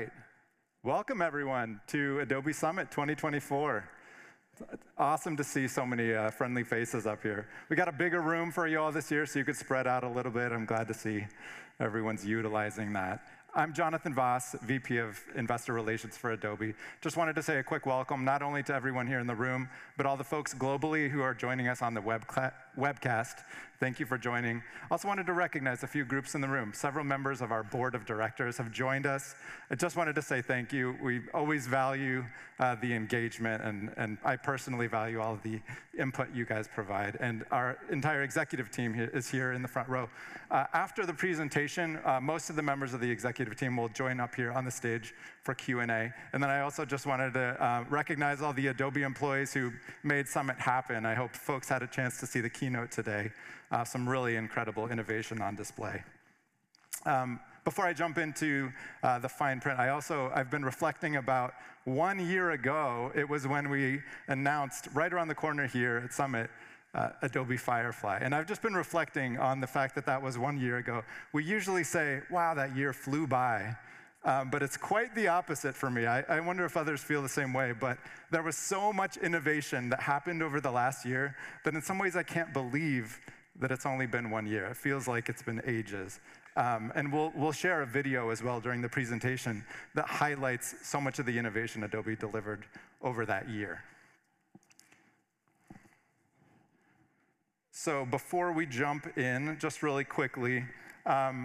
All right, welcome everyone to Adobe Summit 2024. It's awesome to see so many friendly faces up here. We got a bigger room for you all this year, so you could spread out a little bit. I'm glad to see everyone's utilizing that. I'm Jonathan Vaas, VP of Investor Relations for Adobe. Just wanted to say a quick welcome, not only to everyone here in the room, but all the folks globally who are joining us on the webcast. Thank you for joining. Also wanted to recognize a few groups in the room. Several members of our board of directors have joined us. I just wanted to say thank you. We always value the engagement, and I personally value all of the input you guys provide. Our entire executive team is here in the front row. After the presentation, most of the members of the executive team will join up here on the stage for Q&A. And then I also just wanted to recognize all the Adobe employees who made Summit happen. I hope folks had a chance to see the keynote today. Some really incredible innovation on display. Before I jump into the fine print, I've been reflecting about one year ago. It was when we announced, right around the corner here at Summit, Adobe Firefly. And I've just been reflecting on the fact that that was one year ago. We usually say, "Wow, that year flew by." But it's quite the opposite for me. I wonder if others feel the same way. But there was so much innovation that happened over the last year that in some ways I can't believe that it's only been one year. It feels like it's been ages. And we'll share a video as well during the presentation that highlights so much of the innovation Adobe delivered over that year. So before we jump in, just really quickly, Safe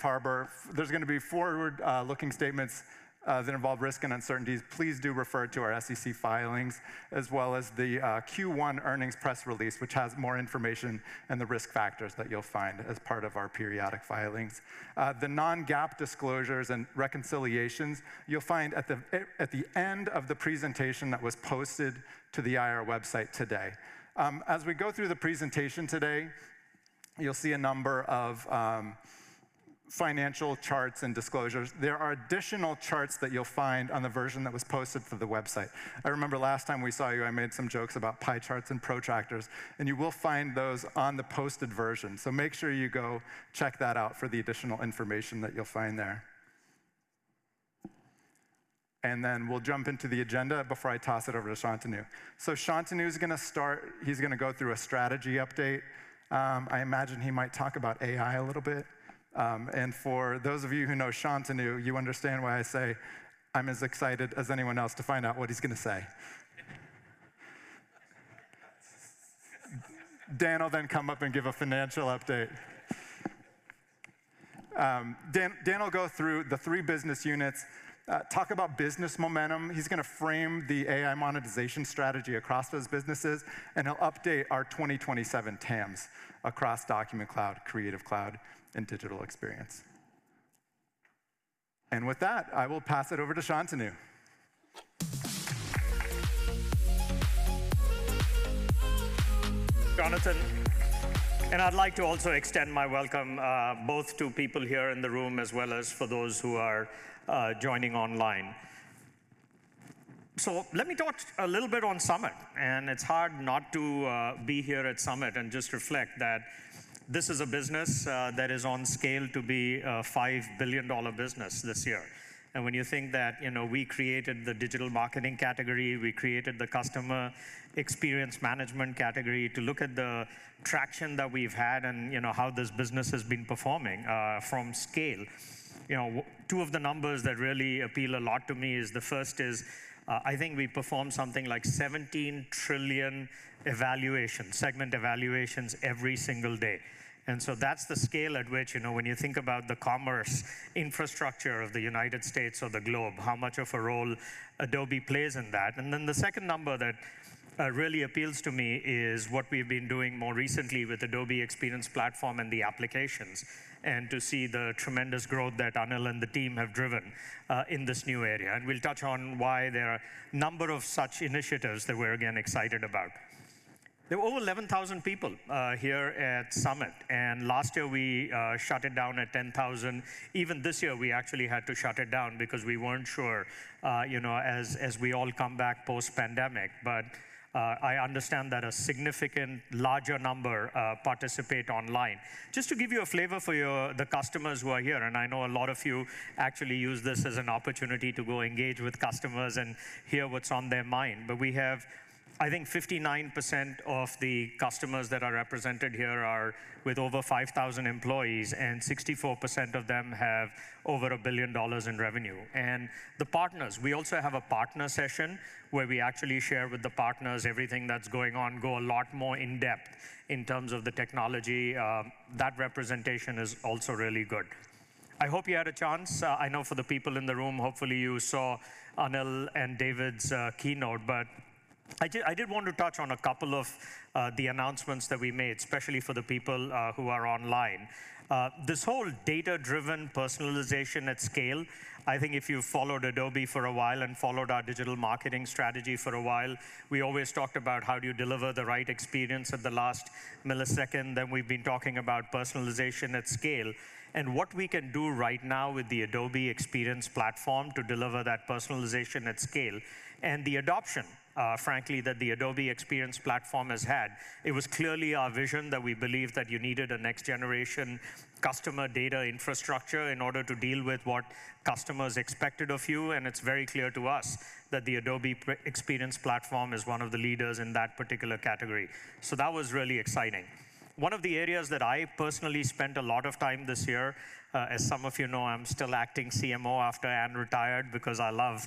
Harbor, there's going to be forward-looking statements that involve risk and uncertainties. Please do refer to our SEC filings, as well as the Q1 earnings press release, which has more information and the risk factors that you'll find as part of our periodic filings. The non-GAAP disclosures and reconciliations, you'll find at the end of the presentation that was posted to the IR website today. As we go through the presentation today, you'll see a number of financial charts and disclosures. There are additional charts that you'll find on the version that was posted to the website. I remember last time we saw you, I made some jokes about pie charts and protractors. You will find those on the posted version. So make sure you go check that out for the additional information that you'll find there. Then we'll jump into the agenda before I toss it over to Shantanu. So Shantanu is going to start; he's going to go through a strategy update. I imagine he might talk about AI a little bit. And for those of you who know Shantanu, you understand why I say I'm as excited as anyone else to find out what he's going to say. Dan will then come up and give a financial update. Dan will go through the three business units, talk about business momentum. He's going to frame the AI monetization strategy across those businesses. And he'll update our 2027 TAMs across Document Cloud, Creative Cloud, and Digital Experience. With that, I will pass it over to Shantanu Narayen. Jonathan, and I'd like to also extend my welcome both to people here in the room, as well as for those who are joining online. So let me talk a little bit on Summit. It's hard not to be here at Summit and just reflect that this is a business that is on scale to be a $5 billion business this year. When you think that we created the digital marketing category, we created the Customer Experience Management category to look at the traction that we've had and how this business has been performing from scale, two of the numbers that really appeal a lot to me is the first is I think we perform something like 17 trillion evaluations, segment evaluations, every single day. And so that's the scale at which when you think about the commerce infrastructure of the United States or the globe, how much of a role Adobe plays in that. And then the second number that really appeals to me is what we've been doing more recently with Adobe Experience Platform and the applications, and to see the tremendous growth that Anil and the team have driven in this new area. And we'll touch on why there are a number of such initiatives that we're, again, excited about. There were over 11,000 people here at Summit. And last year, we shut it down at 10,000. Even this year, we actually had to shut it down because we weren't sure as we all come back post-pandemic. But I understand that a significant larger number participate online. Just to give you a flavor for the customers who are here, and I know a lot of you actually use this as an opportunity to go engage with customers and hear what's on their mind. But we have, I think, 59% of the customers that are represented here are with over 5,000 employees. And 64% of them have over $1 billion in revenue. And the partners, we also have a partner session where we actually share with the partners everything that's going on, go a lot more in-depth in terms of the technology. That representation is also really good. I hope you had a chance. I know for the people in the room, hopefully, you saw Anil and David's keynote. But I did want to touch on a couple of the announcements that we made, especially for the people who are online. This whole data-driven personalization at scale, I think if you've followed Adobe for a while and followed our digital marketing strategy for a while, we always talked about how do you deliver the right experience at the last millisecond. Then we've been talking about personalization at scale. And what we can do right now with the Adobe Experience Platform to deliver that personalization at scale and the adoption, frankly, that the Adobe Experience Platform has had, it was clearly our vision that we believed that you needed a next-generation customer data infrastructure in order to deal with what customers expected of you. And it's very clear to us that the Adobe Experience Platform is one of the leaders in that particular category. So that was really exciting. One of the areas that I personally spent a lot of time this year, as some of you know, I'm still acting CMO after Ann retired because I love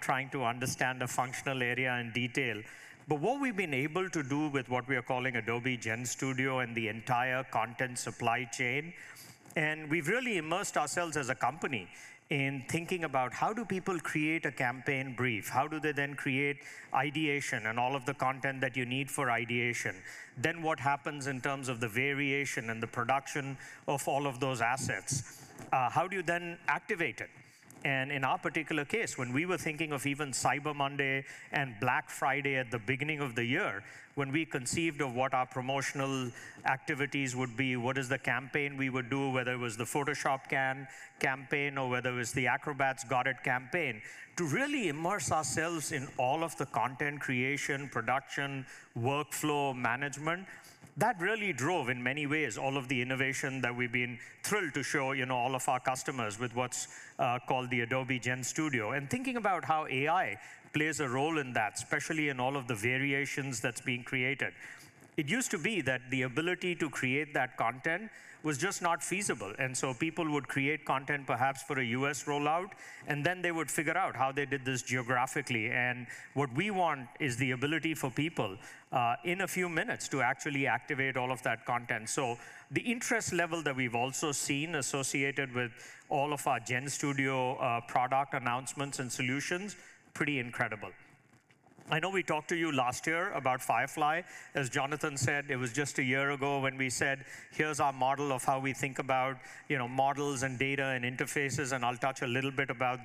trying to understand a functional area in detail. But what we've been able to do with what we are calling Adobe GenStudio and the entire Content Supply Chain, and we've really immersed ourselves as a company in thinking about how do people create a campaign brief? How do they then create ideation and all of the content that you need for ideation? Then what happens in terms of the variation and the production of all of those assets? How do you then activate it? In our particular case, when we were thinking of even Cyber Monday and Black Friday at the beginning of the year, when we conceived of what our promotional activities would be, what is the campaign we would do, whether it was the Photoshop Can campaign or whether it was the Acrobat's Got It campaign, to really immerse ourselves in all of the content creation, production, workflow management, that really drove, in many ways, all of the innovation that we've been thrilled to show all of our customers with what's called the Adobe GenStudio. And thinking about how AI plays a role in that, especially in all of the variations that's being created, it used to be that the ability to create that content was just not feasible. And so people would create content, perhaps for a U.S. rollout. And then they would figure out how they did this geographically. And what we want is the ability for people, in a few minutes, to actually activate all of that content. So the interest level that we've also seen associated with all of our GenStudio product announcements and solutions, pretty incredible. I know we talked to you last year about Firefly. As Jonathan said, it was just a year ago when we said, here's our model of how we think about models and data and interfaces. And I'll touch a little bit on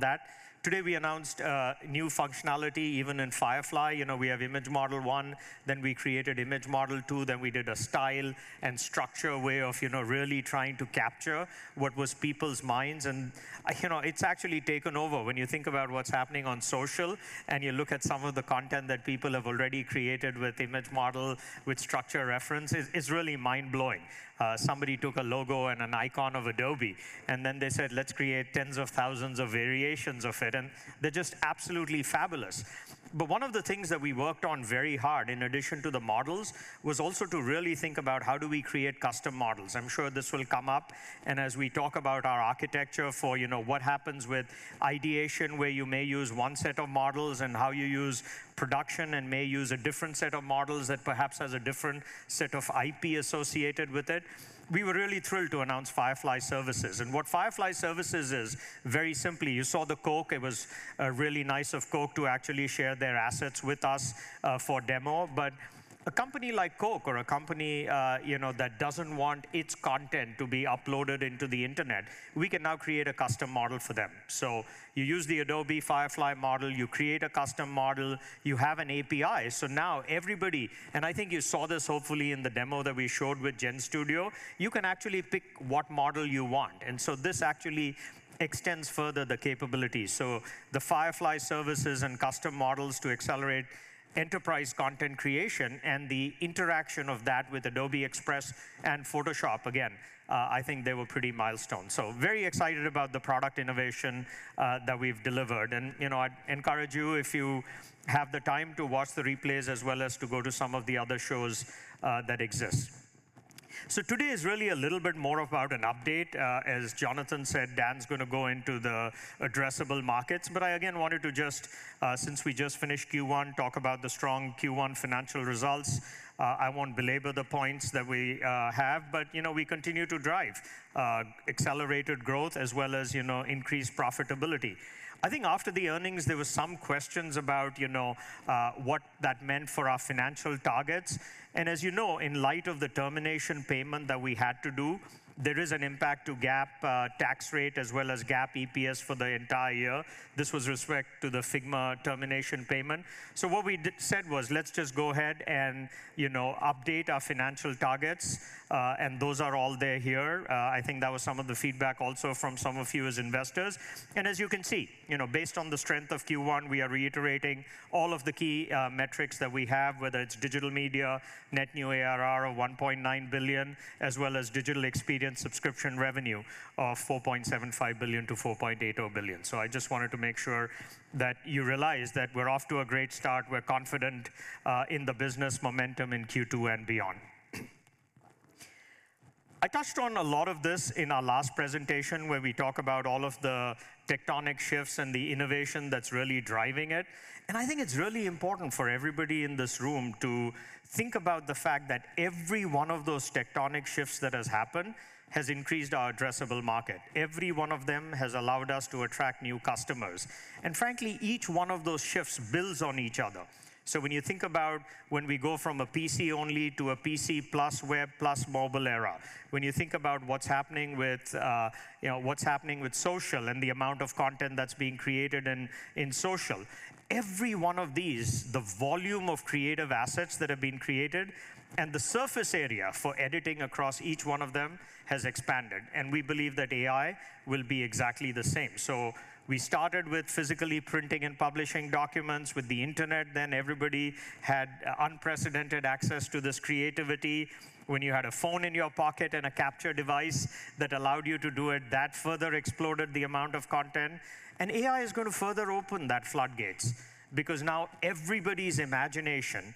that. Today, we announced new functionality even in Firefly. We have Image Model 1. Then we created Image Model 2. Then we did a style and structure way of really trying to capture what was people's minds. And it's actually taken over. When you think about what's happening on social and you look at some of the content that people have already created with Image Model, with structure references, it's really mind-blowing. Somebody took a logo and an icon of Adobe. And then they said, let's create tens of thousands of variations of it. And they're just absolutely fabulous. But one of the things that we worked on very hard, in addition to the models, was also to really think about how do we create custom models. I'm sure this will come up. And as we talk about our architecture for what happens with ideation, where you may use one set of models and how you use production and may use a different set of models that perhaps has a different set of IP associated with it, we were really thrilled to announce Firefly Services. What Firefly Services is, very simply, you saw the Coke. It was really nice of Coke to actually share their assets with us for demo. But a company like Coke or a company that doesn't want its content to be uploaded into the internet, we can now create a custom model for them. You use the Adobe Firefly model. You create a custom model. You have an API. Now everybody and I think you saw this, hopefully, in the demo that we showed with GenStudio, you can actually pick what model you want. This actually extends further the capabilities. The Firefly Services and custom models to accelerate enterprise content creation and the interaction of that with Adobe Express and Photoshop, again, I think they were pretty milestone. Very excited about the product innovation that we've delivered. I'd encourage you, if you have the time, to watch the replays, as well as to go to some of the other shows that exist. So today is really a little bit more about an update. As Jonathan said, Dan's going to go into the addressable markets. But I, again, wanted to just, since we just finished Q1, talk about the strong Q1 financial results. I won't belabor the points that we have. But we continue to drive accelerated growth, as well as increased profitability. I think after the earnings, there were some questions about what that meant for our financial targets. And as you know, in light of the termination payment that we had to do, there is an impact to GAAP tax rate, as well as GAAP EPS for the entire year. This was with respect to the Figma termination payment. What we said was, let's just go ahead and update our financial targets. Those are all there here. I think that was some of the feedback also from some of you as investors. As you can see, based on the strength of Q1, we are reiterating all of the key metrics that we have, whether it's Digital Media, net new ARR of $1.9 billion, as well as digital experience subscription revenue of $4.75 billion-$4.80 billion. I just wanted to make sure that you realize that we're off to a great start. We're confident in the business momentum in Q2 and beyond. I touched on a lot of this in our last presentation, where we talk about all of the tectonic shifts and the innovation that's really driving it. I think it's really important for everybody in this room to think about the fact that every one of those tectonic shifts that has happened has increased our addressable market. Every one of them has allowed us to attract new customers. And frankly, each one of those shifts builds on each other. When you think about when we go from a PC-only to a PC+ web plus mobile era, when you think about what's happening with social and the amount of content that's being created in social, every one of these, the volume of creative assets that have been created and the surface area for editing across each one of them has expanded. We believe that AI will be exactly the same. We started with physically printing and publishing documents with the internet. Then everybody had unprecedented access to this creativity. When you had a phone in your pocket and a capture device that allowed you to do it, that further exploded the amount of content. And AI is going to further open that floodgates because now everybody's imagination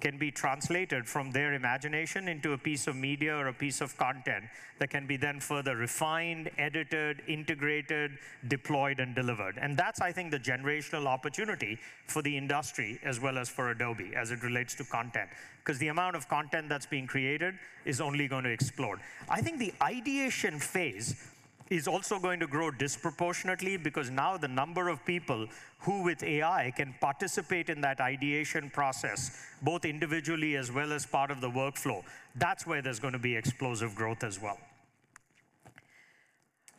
can be translated from their imagination into a piece of media or a piece of content that can be then further refined, edited, integrated, deployed, and delivered. And that's, I think, the generational opportunity for the industry, as well as for Adobe, as it relates to content, because the amount of content that's being created is only going to explode. I think the ideation phase is also going to grow disproportionately because now the number of people who, with AI, can participate in that ideation process, both individually as well as part of the workflow, that's where there's going to be explosive growth as well.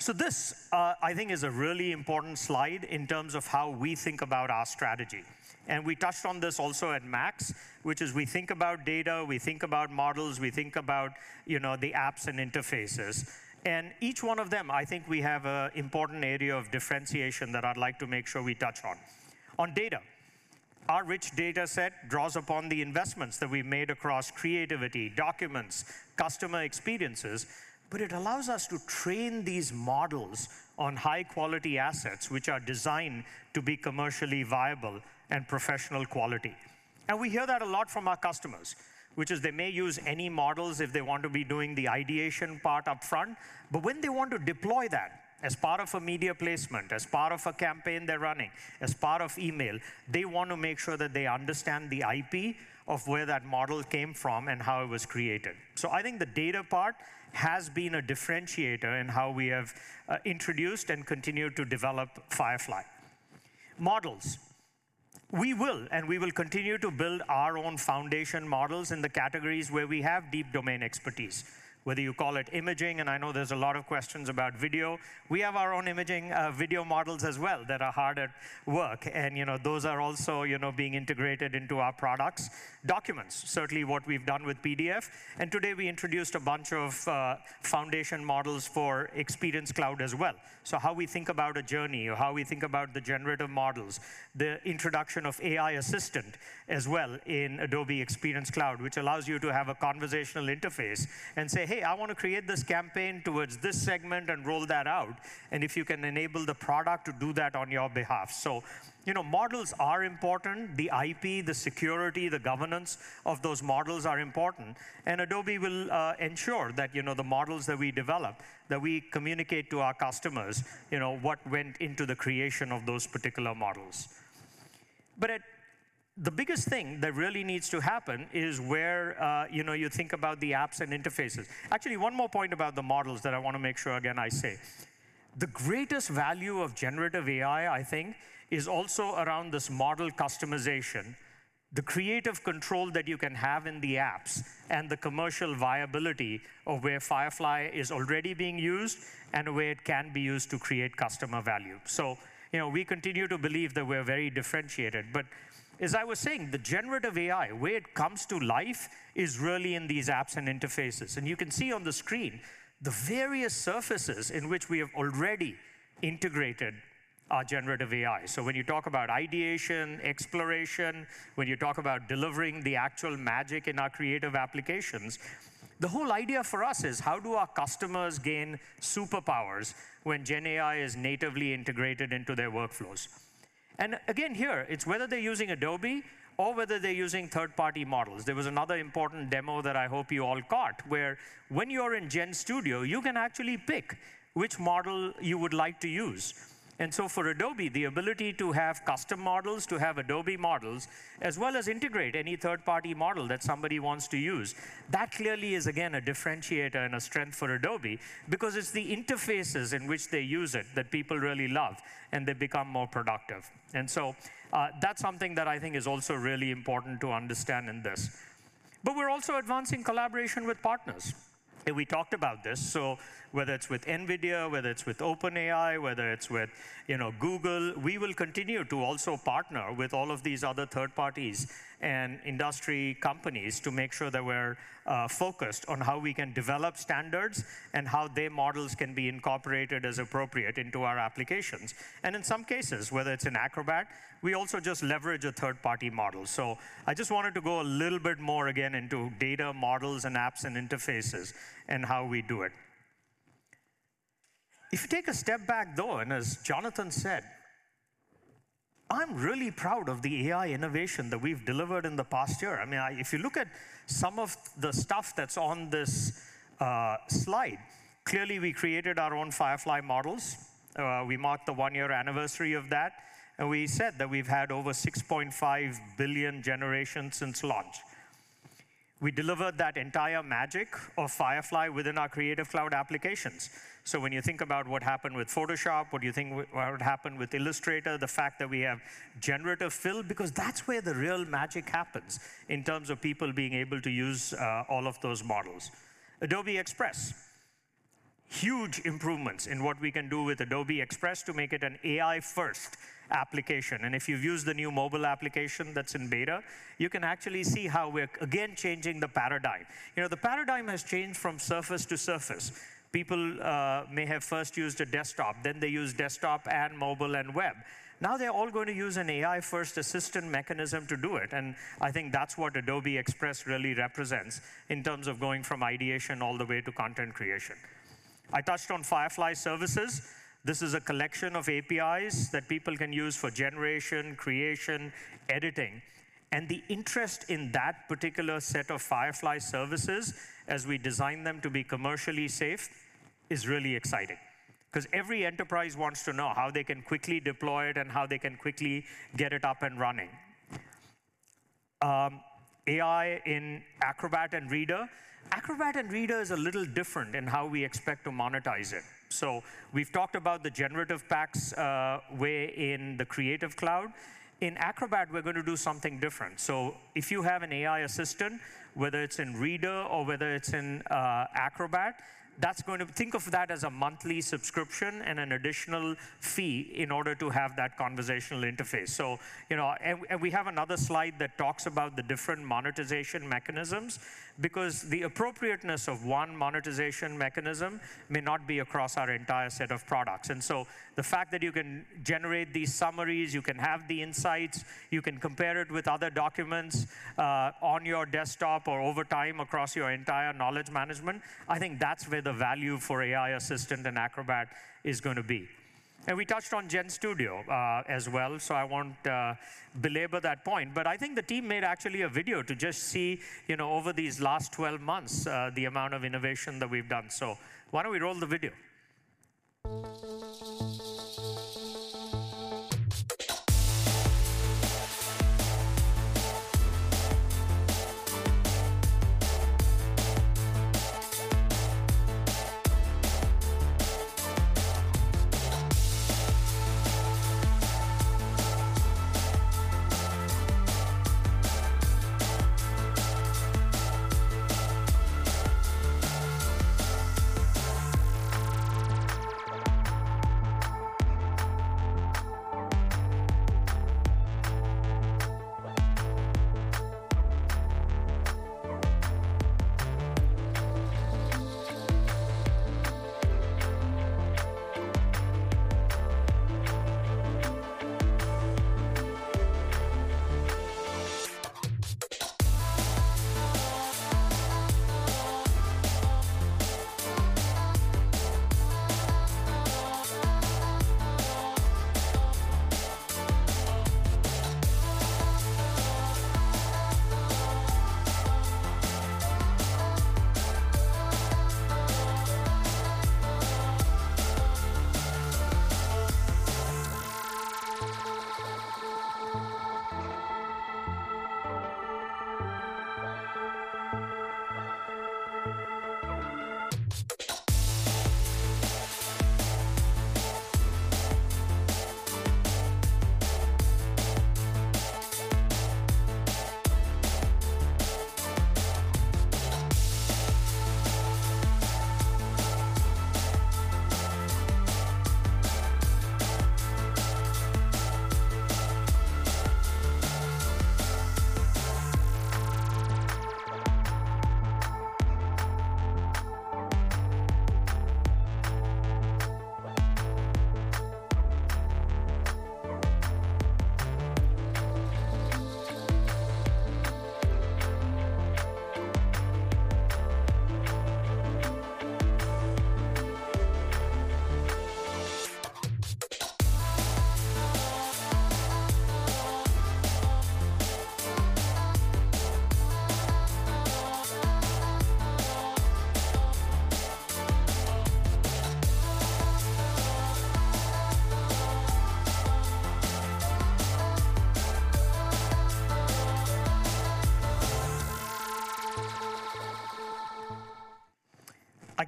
So this, I think, is a really important slide in terms of how we think about our strategy. And we touched on this also at MAX, which is we think about data. We think about models. We think about the apps and interfaces. And each one of them, I think we have an important area of differentiation that I'd like to make sure we touch on. On data, our rich data set draws upon the investments that we've made across creativity, documents, customer experiences. But it allows us to train these models on high-quality assets, which are designed to be commercially viable and professional quality. And we hear that a lot from our customers, which is they may use any models if they want to be doing the ideation part upfront. But when they want to deploy that as part of a media placement, as part of a campaign they're running, as part of email, they want to make sure that they understand the IP of where that model came from and how it was created. So I think the data part has been a differentiator in how we have introduced and continued to develop Firefly. Models, we will and we will continue to build our own foundation models in the categories where we have deep domain expertise, whether you call it imaging. And I know there's a lot of questions about video. We have our own imaging video models as well that are hard at work. And those are also being integrated into our products. Documents, certainly what we've done with PDF. And today, we introduced a bunch of foundation models for Experience Cloud as well. So how we think about a journey or how we think about the generative models, the introduction of AI Assistant as well in Adobe Experience Cloud, which allows you to have a conversational interface and say, "Hey, I want to create this campaign towards this segment and roll that out." And if you can enable the product to do that on your behalf. So models are important. The IP, the security, the governance of those models are important. And Adobe will ensure that the models that we develop, that we communicate to our customers, what went into the creation of those particular models. But the biggest thing that really needs to happen is where you think about the apps and interfaces. Actually, one more point about the models that I want to make sure, again, I say. The greatest value of generative AI, I think, is also around this model customization, the creative control that you can have in the apps, and the commercial viability of where Firefly is already being used and where it can be used to create customer value. So we continue to believe that we're very differentiated. But as I was saying, the generative AI, where it comes to life, is really in these apps and interfaces. And you can see on the screen the various surfaces in which we have already integrated our generative AI. So when you talk about ideation, exploration, when you talk about delivering the actual magic in our creative applications, the whole idea for us is, how do our customers gain superpowers when Gen AI is natively integrated into their workflows? And again, here, it's whether they're using Adobe or whether they're using third-party models. There was another important demo that I hope you all caught, where when you're in GenStudio, you can actually pick which model you would like to use. And so for Adobe, the ability to have custom models, to have Adobe models, as well as integrate any third-party model that somebody wants to use, that clearly is, again, a differentiator and a strength for Adobe because it's the interfaces in which they use it that people really love, and they become more productive. And so that's something that I think is also really important to understand in this. But we're also advancing collaboration with partners. We talked about this. So whether it's with NVIDIA, whether it's with OpenAI, whether it's with Google, we will continue to also partner with all of these other third parties and industry companies to make sure that we're focused on how we can develop standards and how their models can be incorporated as appropriate into our applications. And in some cases, whether it's an Acrobat, we also just leverage a third-party model. So I just wanted to go a little bit more, again, into data, models, and apps and interfaces and how we do it. If you take a step back, though, and as Jonathan said, I'm really proud of the AI innovation that we've delivered in the past year. I mean, if you look at some of the stuff that's on this slide, clearly, we created our own Firefly models. We marked the one-year anniversary of that. We said that we've had over 6.5 billion generations since launch. We delivered that entire magic of Firefly within our Creative Cloud applications. So when you think about what happened with Photoshop, what do you think would happen with Illustrator, the fact that we have generative fill, because that's where the real magic happens in terms of people being able to use all of those models. Adobe Express, huge improvements in what we can do with Adobe Express to make it an AI-first application. And if you've used the new mobile application that's in beta, you can actually see how we're, again, changing the paradigm. The paradigm has changed from surface to surface. People may have first used a desktop. Then they used desktop and mobile and web. Now they're all going to use an AI-first assistant mechanism to do it. I think that's what Adobe Express really represents in terms of going from ideation all the way to content creation. I touched on Firefly Services. This is a collection of APIs that people can use for generation, creation, editing. The interest in that particular set of Firefly Services, as we design them to be commercially safe, is really exciting because every enterprise wants to know how they can quickly deploy it and how they can quickly get it up and running. AI in Acrobat and Reader, Acrobat and Reader is a little different in how we expect to monetize it. We've talked about the generative packs way in the Creative Cloud. In Acrobat, we're going to do something different. So if you have an AI assistant, whether it's in Reader or whether it's in Acrobat, that's going to think of that as a monthly subscription and an additional fee in order to have that conversational interface. We have another slide that talks about the different monetization mechanisms because the appropriateness of one monetization mechanism may not be across our entire set of products. So the fact that you can generate these summaries, you can have the insights, you can compare it with other documents on your desktop or over time across your entire knowledge management, I think that's where the value for AI assistant and Acrobat is going to be. We touched on GenStudio as well. So I won't belabor that point. But I think the team made actually a video to just see, over these last 12 months, the amount of innovation that we've done. So why don't we roll the video?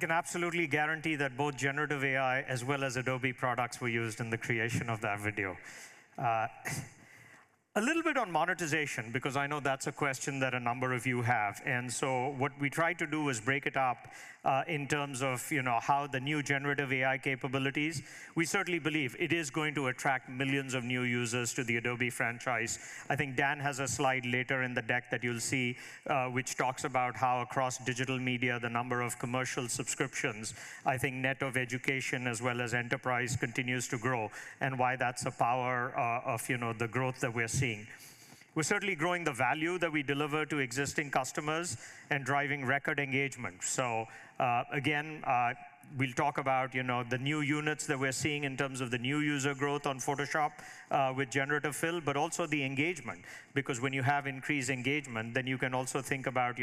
I can absolutely guarantee that both generative AI as well as Adobe products were used in the creation of that video. A little bit on monetization because I know that's a question that a number of you have. And so what we try to do is break it up in terms of how the new generative AI capabilities, we certainly believe it is going to attract millions of new users to the Adobe franchise. I think Dan has a slide later in the deck that you'll see which talks about how across Digital Media, the number of commercial subscriptions, I think net of education as well as enterprise continues to grow and why that's a power of the growth that we're seeing. We're certainly growing the value that we deliver to existing customers and driving record engagement. So again, we'll talk about the new units that we're seeing in terms of the new user growth on Photoshop with Generative Fill, but also the engagement because when you have increased engagement, then you can also think about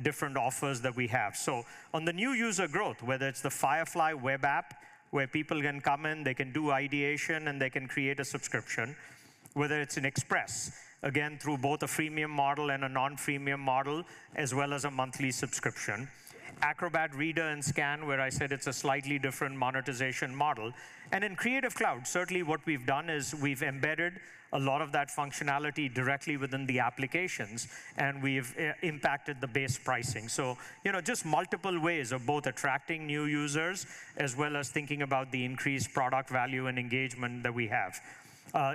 different offers that we have. So on the new user growth, whether it's the Firefly Web App where people can come in, they can do ideation, and they can create a subscription, whether it's an Express, again, through both a freemium model and a non-freemium model as well as a monthly subscription, Acrobat, Reader, and Scan, where I said it's a slightly different monetization model. And in Creative Cloud, certainly what we've done is we've embedded a lot of that functionality directly within the applications, and we've impacted the base pricing. So just multiple ways of both attracting new users as well as thinking about the increased product value and engagement that we have.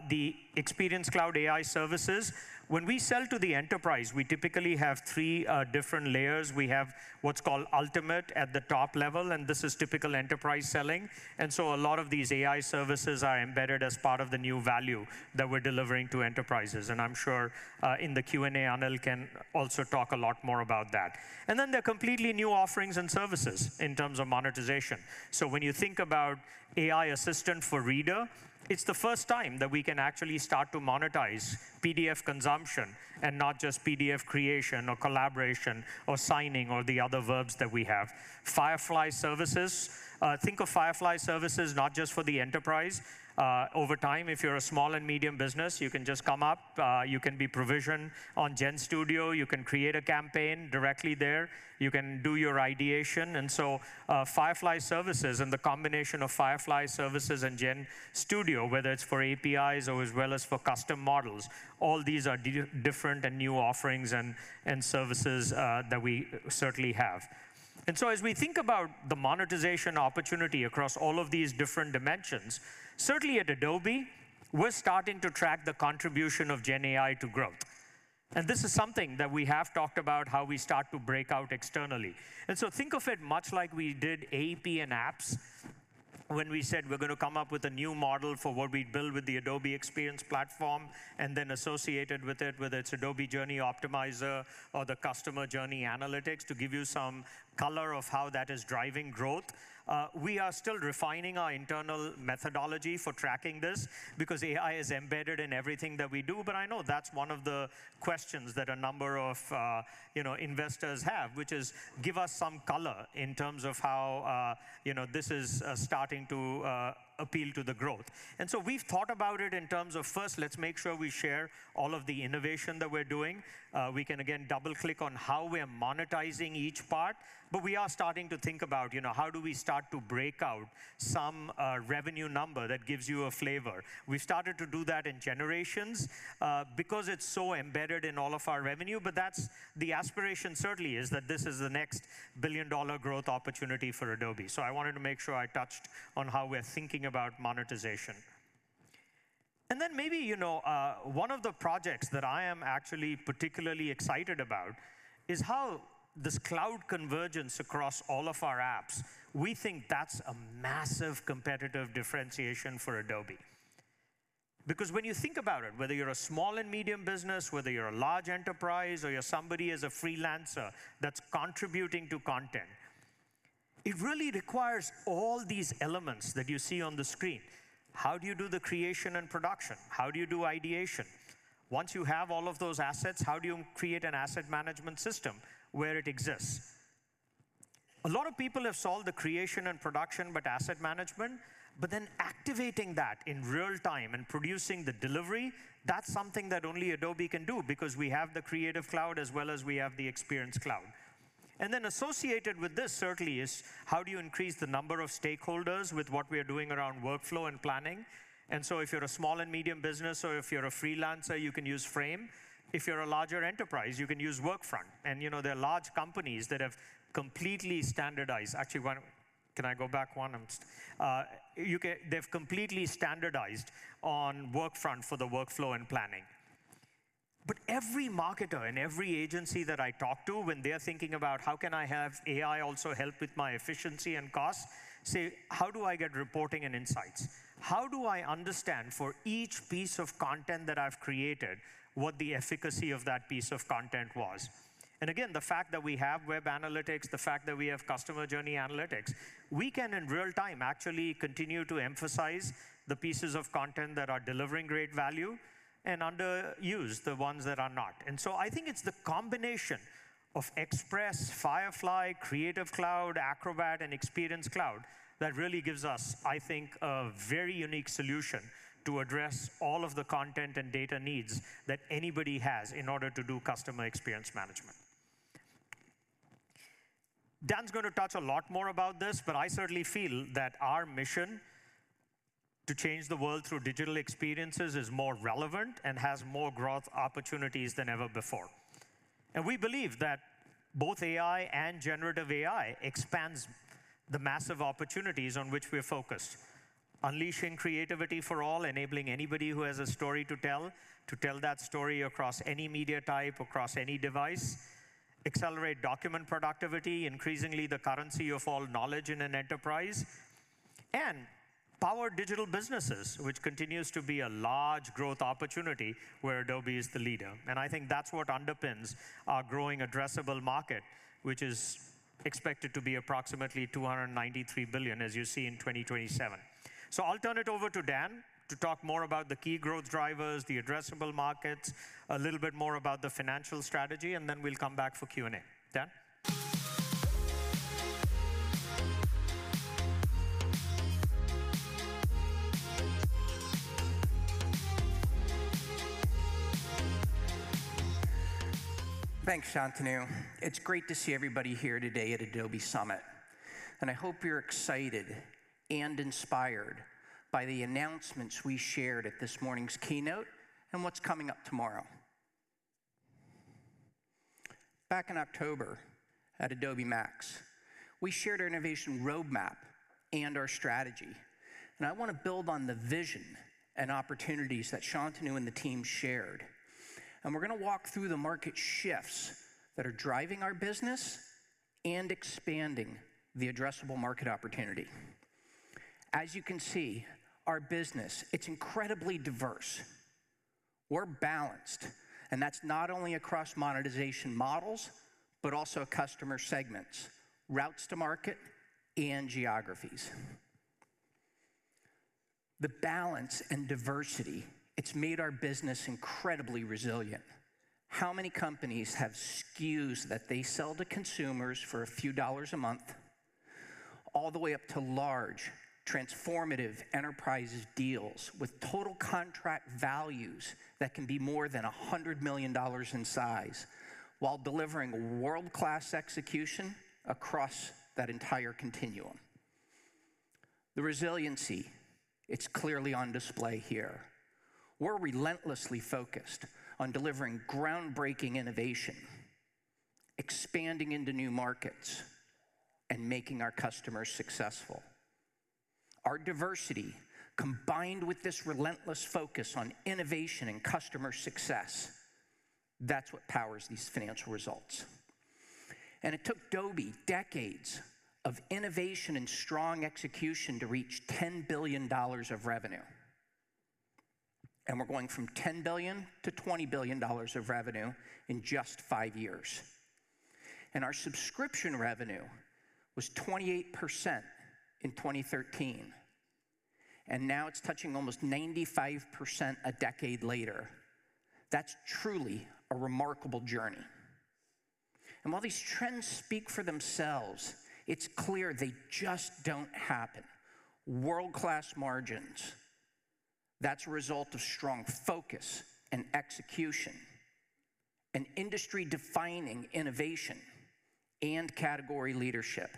The Experience Cloud AI services, when we sell to the enterprise, we typically have three different layers. We have what's called Ultimate at the top level. And this is typical enterprise selling. And so a lot of these AI services are embedded as part of the new value that we're delivering to enterprises. And I'm sure in the Q&A, Anil can also talk a lot more about that. And then there are completely new offerings and services in terms of monetization. So when you think about AI Assistant for Reader, it's the first time that we can actually start to monetize PDF consumption and not just PDF creation or collaboration or signing or the other verbs that we have. Firefly Services. Think of Firefly Services not just for the enterprise. Over time, if you're a small and medium business, you can just come up. You can be provisioned on GenStudio. You can create a campaign directly there. You can do your ideation. Firefly Services and the combination of Firefly Services and GenStudio, whether it's for APIs or as well as for custom models, all these are different and new offerings and services that we certainly have. As we think about the monetization opportunity across all of these different dimensions, certainly at Adobe, we're starting to track the contribution of Gen AI to growth. This is something that we have talked about, how we start to break out externally. Think of it much like we did AEP and apps when we said we're going to come up with a new model for what we'd build with the Adobe Experience Platform and then associated with it, whether it's Adobe Journey Optimizer or the Customer Journey Analytics to give you some color of how that is driving growth. We are still refining our internal methodology for tracking this because AI is embedded in everything that we do. But I know that's one of the questions that a number of investors have, which is, "Give us some color in terms of how this is starting to appeal to the growth." And so we've thought about it in terms of, first, let's make sure we share all of the innovation that we're doing. We can, again, double-click on how we are monetizing each part. But we are starting to think about, how do we start to break out some revenue number that gives you a flavor? We've started to do that in Gen AI because it's so embedded in all of our revenue. But the aspiration certainly is that this is the next billion-dollar growth opportunity for Adobe. So I wanted to make sure I touched on how we're thinking about monetization. And then maybe one of the projects that I am actually particularly excited about is how this cloud convergence across all of our apps, we think that's a massive competitive differentiation for Adobe. Because when you think about it, whether you're a small and medium business, whether yoo're a large enterprise, or you're somebody as a freelancer that's contributing to content, it really requires all these elements that you see on the screen. How do you do the creation and production? How do you do ideation? Once you have all of those assets, how do you create an asset management system where it exists? A lot of people have solved the creation and production but asset management. But then activating that in real time and producing the delivery, that's something that only Adobe can do because we have the Creative Cloud as well as we have the Experience Cloud. And then associated with this, certainly, is how do you increase the number of stakeholders with what we are doing around workflow and planning? And so if you're a small and medium business or if you're a freelancer, you can use Frame. If you're a larger enterprise, you can use Workfront. And there are large companies that have completely standardized actually, can I go back one? They've completely standardized on Workfront for the workflow and planning. But every marketer and every agency that I talk to, when they're thinking about, "How can I have AI also help with my efficiency and costs?" say, "How do I get reporting and insights? How do I understand for each piece of content that I've created what the efficacy of that piece of content was?" And again, the fact that we have web analytics, the fact that we have customer journey analytics, we can in real time actually continue to emphasize the pieces of content that are delivering great value and underuse, the ones that are not. And so I think it's the combination of Express, Firefly, Creative Cloud, Acrobat, and Experience Cloud that really gives us, I think, a very unique solution to address all of the content and data needs that anybody has in order to do customer experience management. Dan's going to touch a lot more about this. But I certainly feel that our mission to change the world through digital experiences is more relevant and has more growth opportunities than ever before. And we believe that both AI and generative AI expands the massive opportunities on which we're focused: unleashing creativity for all, enabling anybody who has a story to tell to tell that story across any media type, across any device, accelerate document productivity, increasingly the currency of all knowledge in an enterprise, and power digital businesses, which continues to be a large growth opportunity where Adobe is the leader. And I think that's what underpins our growing addressable market, which is expected to be approximately $293 billion, as you see in 2027. So I'll turn it over to Dan to talk more about the key growth drivers, the addressable markets, a little bit more about the financial strategy. And then we'll come back for Q&A. Dan? Thanks, Shantanu. It's great to see everybody here today at Adobe Summit. I hope you're excited and inspired by the announcements we shared at this morning's keynote and what's coming up tomorrow. Back in October at Adobe MAX, we shared our innovation roadmap and our strategy. I want to build on the vision and opportunities that Shantanu and the team shared. We're going to walk through the market shifts that are driving our business and expanding the addressable market opportunity. As you can see, our business, it's incredibly diverse. We're balanced. That's not only across monetization models but also customer segments, routes to market, and geographies. The balance and diversity, it's made our business incredibly resilient. How many companies have SKUs that they sell to consumers for a few dollars a month, all the way up to large, transformative enterprise deals with total contract values that can be more than $100 million in size while delivering world-class execution across that entire continuum? The resiliency, it's clearly on display here. We're relentlessly focused on delivering groundbreaking innovation, expanding into new markets, and making our customers successful. Our diversity, combined with this relentless focus on innovation and customer success, that's what powers these financial results. It took Adobe decades of innovation and strong execution to reach $10 billion of revenue. We're going from $10 billion to $20 billion of revenue in just five years. Our subscription revenue was 28% in 2013. Now it's touching almost 95% a decade later. That's truly a remarkable journey. While these trends speak for themselves, it's clear they just don't happen. World-class margins, that's a result of strong focus and execution and industry-defining innovation and category leadership.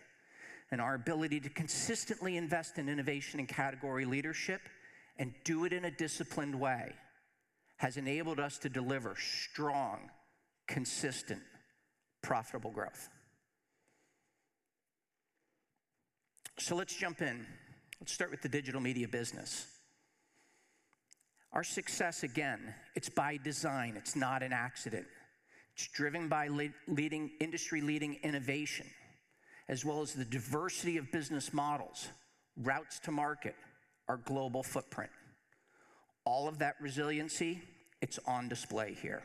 Our ability to consistently invest in innovation and category leadership and do it in a disciplined way has enabled us to deliver strong, consistent, profitable growth. So let's jump in. Let's start with the digital media business. Our success, again, it's by design. It's not an accident. It's driven by industry-leading innovation as well as the diversity of business models, routes to market, our global footprint. All of that resiliency, it's on display here.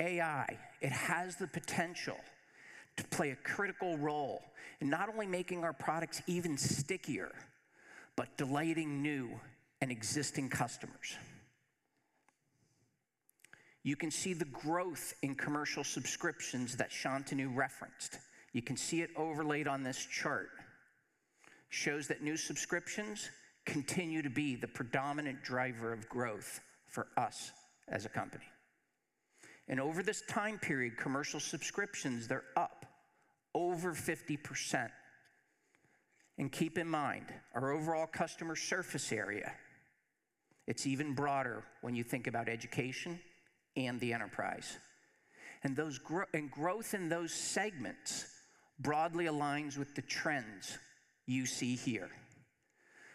AI, it has the potential to play a critical role in not only making our products even stickier but delighting new and existing customers. You can see the growth in commercial subscriptions that Shantanu referenced. You can see it overlaid on this chart. It shows that new subscriptions continue to be the predominant driver of growth for us as a company. Over this time period, commercial subscriptions, they're up over 50%. Keep in mind, our overall customer surface area, it's even broader when you think about education and the enterprise. Growth in those segments broadly aligns with the trends you see here.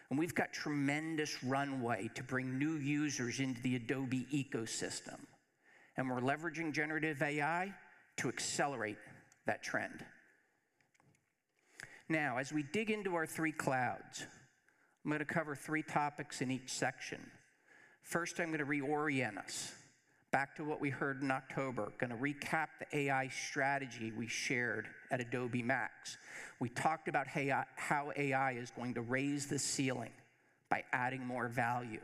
We've got tremendous runway to bring new users into the Adobe ecosystem. We're leveraging generative AI to accelerate that trend. Now, as we dig into our three clouds, I'm going to cover three topics in each section. First, I'm going to reorient us back to what we heard in October, going to recap the AI strategy we shared at Adobe MAX. We talked about how AI is going to raise the ceiling by adding more value,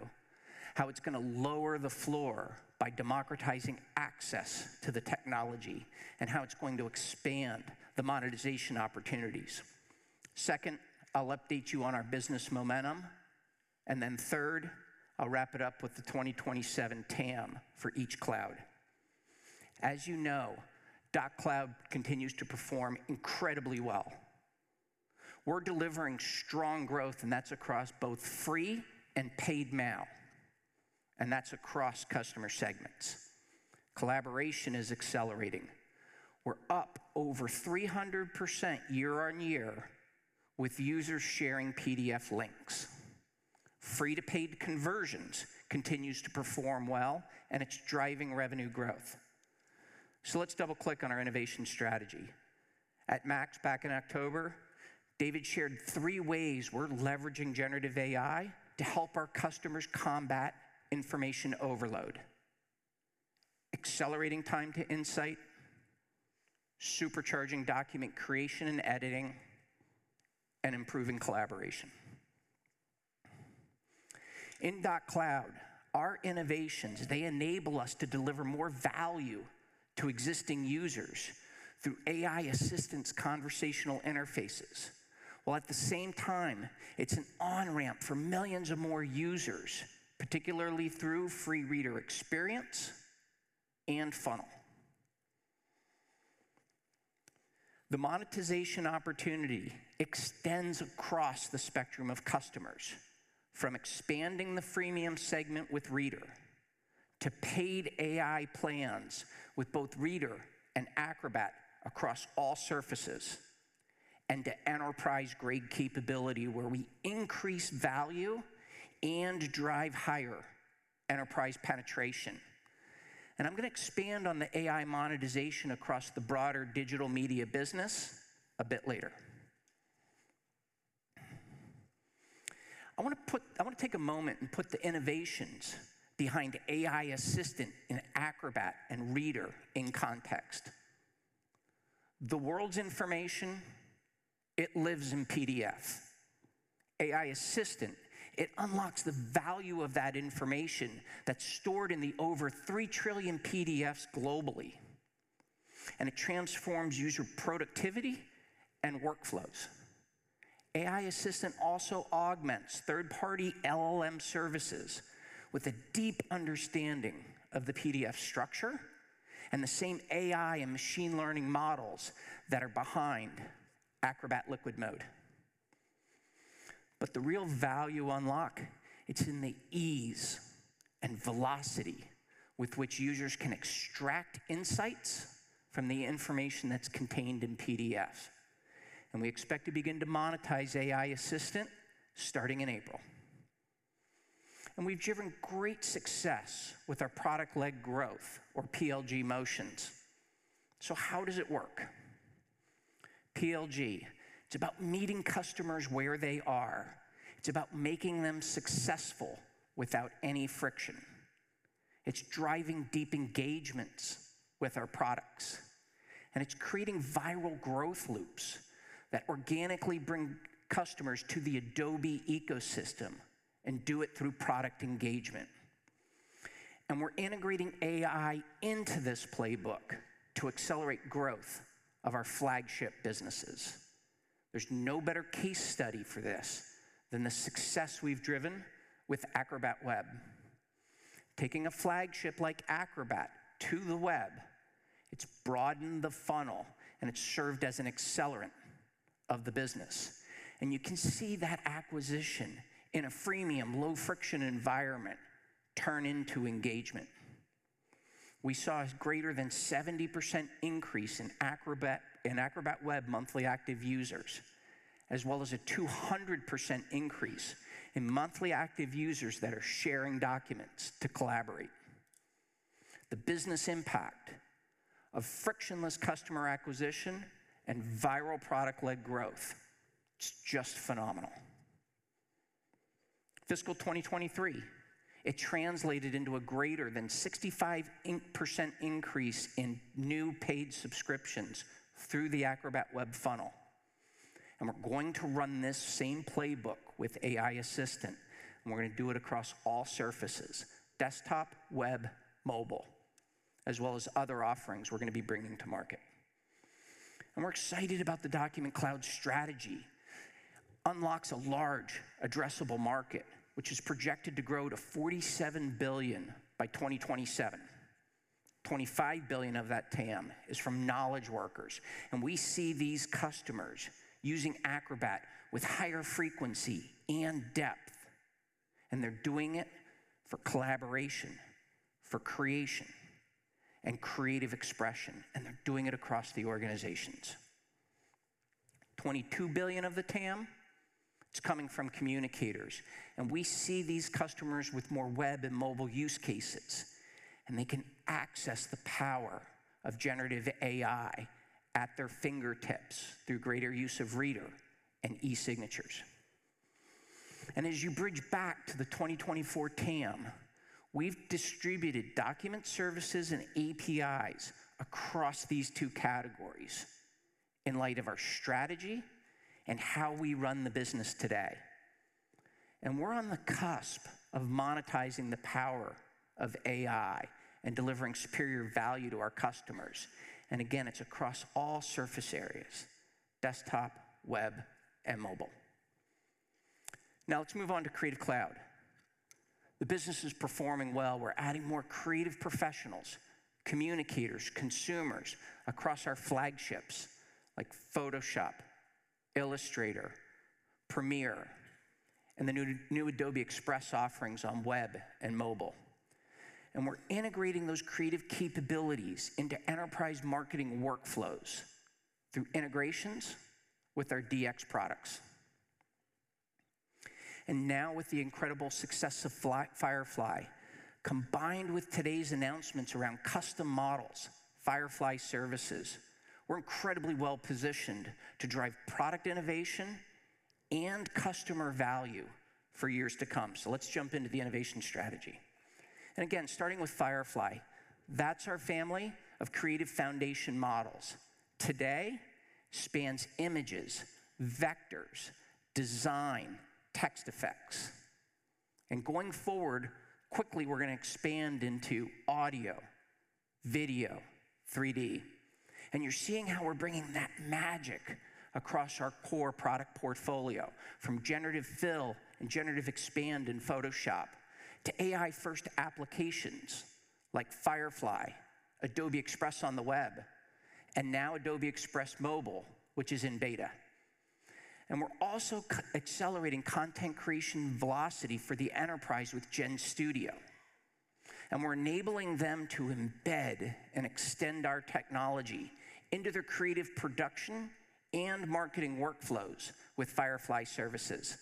how it's going to lower the floor by democratizing access to the technology, and how it's going to expand the monetization opportunities. Second, I'll update you on our business momentum. And then third, I'll wrap it up with the 2027 TAM for each cloud. As you know, Doc Cloud continues to perform incredibly well. We're delivering strong growth, and that's across both free and paid MAU. And that's across customer segments. Collaboration is accelerating. We're up over 300% year-over-year with users sharing PDF links. Free-to-paid conversions continues to perform well, and it's driving revenue growth. So let's double-click on our innovation strategy. At MAX, back in October, David shared three ways we're leveraging generative AI to help our customers combat information overload: accelerating time to insight, supercharging document creation and editing, and improving collaboration. In Document Cloud, our innovations enable us to deliver more value to existing users through AI-assisted conversational interfaces. While at the same time, it's an on-ramp for millions of more users, particularly through free Reader experience and funnel. The monetization opportunity extends across the spectrum of customers, from expanding the freemium segment with Reader to paid AI plans with both Reader and Acrobat across all surfaces, and to enterprise-grade capability where we increase value and drive higher enterprise penetration. I'm going to expand on the AI monetization across the broader digital media business a bit later. I want to take a moment and put the innovations behind AI Assistant and Acrobat and Reader in context. The world's information, it lives in PDF. AI Assistant, it unlocks the value of that information that's stored in the over 3 trillion PDFs globally. It transforms user productivity and workflows. AI Assistant also augments third-party LLM services with a deep understanding of the PDF structure and the same AI and machine learning models that are behind Acrobat Liquid Mode. But the real value unlock, it's in the ease and velocity with which users can extract insights from the information that's contained in PDFs. We expect to begin to monetize AI Assistant starting in April. We've driven great success with our product-led growth, or PLG, motions. So how does it work? PLG, it's about meeting customers where they are. It's about making them successful without any friction. It's driving deep engagements with our products. It's creating viral growth loops that organically bring customers to the Adobe ecosystem and do it through product engagement. We're integrating AI into this playbook to accelerate growth of our flagship businesses. There's no better case study for this than the success we've driven with Acrobat Web. Taking a flagship like Acrobat to the web, it's broadened the funnel, and it's served as an accelerant of the business. You can see that acquisition in a freemium, low-friction environment turn into engagement. We saw a greater than 70% increase in Acrobat Web monthly active users as well as a 200% increase in monthly active users that are sharing documents to collaborate. The business impact of frictionless customer acquisition and viral product-led growth, it's just phenomenal. Fiscal 2023, it translated into a greater than 65% increase in new paid subscriptions through the Acrobat Web funnel. We're going to run this same playbook with AI Assistant. We're going to do it across all surfaces: desktop, web, mobile, as well as other offerings we're going to be bringing to market. We're excited about the document cloud strategy. It unlocks a large, addressable market, which is projected to grow to $47 billion by 2027. $25 billion of that TAM is from knowledge workers. We see these customers using Acrobat with higher frequency and depth. They're doing it for collaboration, for creation, and creative expression. They're doing it across the organizations. $22 billion of the TAM, it's coming from communicators. We see these customers with more web and mobile use cases. They can access the power of generative AI at their fingertips through greater use of Reader and e-signatures. As you bridge back to the 2024 TAM, we've distributed document services and APIs across these two categories in light of our strategy and how we run the business today. We're on the cusp of monetizing the power of AI and delivering superior value to our customers. Again, it's across all surface areas: desktop, web, and mobile. Now, let's move on to Creative Cloud. The business is performing well. We're adding more creative professionals, communicators, consumers across our flagships like Photoshop, Illustrator, Premiere, and the new Adobe Express offerings on web and mobile. We're integrating those creative capabilities into enterprise marketing workflows through integrations with our DX products. Now, with the incredible success of Firefly, combined with today's announcements around custom models, Firefly services, we're incredibly well-positioned to drive product innovation and customer value for years to come. Let's jump into the innovation strategy. Again, starting with Firefly, that's our family of creative foundation models. Today spans images, vectors, design, text effects. Going forward, quickly, we're going to expand into audio, video, 3D. You're seeing how we're bringing that magic across our core product portfolio from Generative Fill and Generative Expand in Photoshop to AI-first applications like Firefly, Adobe Express on the web, and now Adobe Express Mobile, which is in beta. We're also accelerating content creation velocity for the enterprise with GenStudio. We're enabling them to embed and extend our technology into their creative production and marketing workflows with Firefly Services.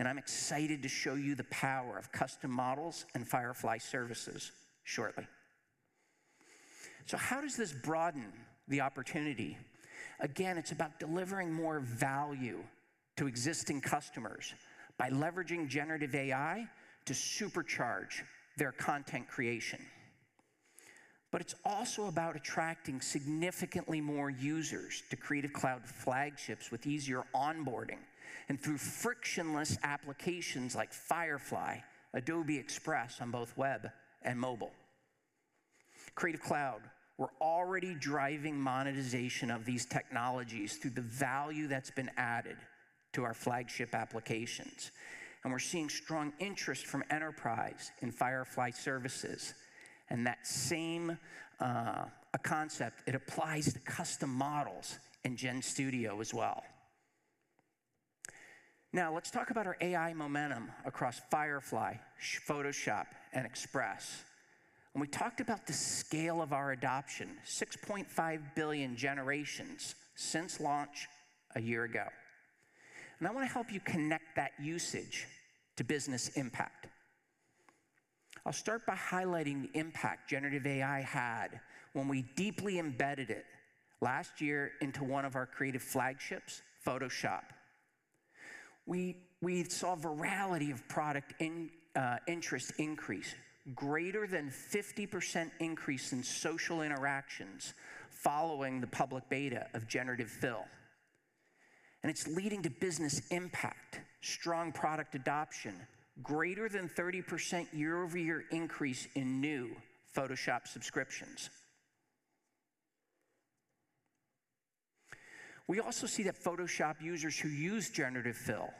I'm excited to show you the power of Custom Models and Firefly Services shortly. So how does this broaden the opportunity? Again, it's about delivering more value to existing customers by leveraging generative AI to supercharge their content creation. But it's also about attracting significantly more users to Creative Cloud flagships with easier onboarding and through frictionless applications like Firefly, Adobe Express on both web and mobile. Creative Cloud, we're already driving monetization of these technologies through the value that's been added to our flagship applications. And we're seeing strong interest from enterprise in Firefly services. And that same concept, it applies to custom models in GenStudio as well. Now, let's talk about our AI momentum across Firefly, Photoshop, and Express. And we talked about the scale of our adoption: 6.5 billion generations since launch a year ago. And I want to help you connect that usage to business impact. I'll start by highlighting the impact generative AI had when we deeply embedded it last year into one of our creative flagships, Photoshop. We saw a virality of product interest increase, greater than 50% increase in social interactions following the public beta of Generative Fill. It's leading to business impact, strong product adoption, greater than 30% year-over-year increase in new Photoshop subscriptions. We also see that Photoshop users who use Generative Fill,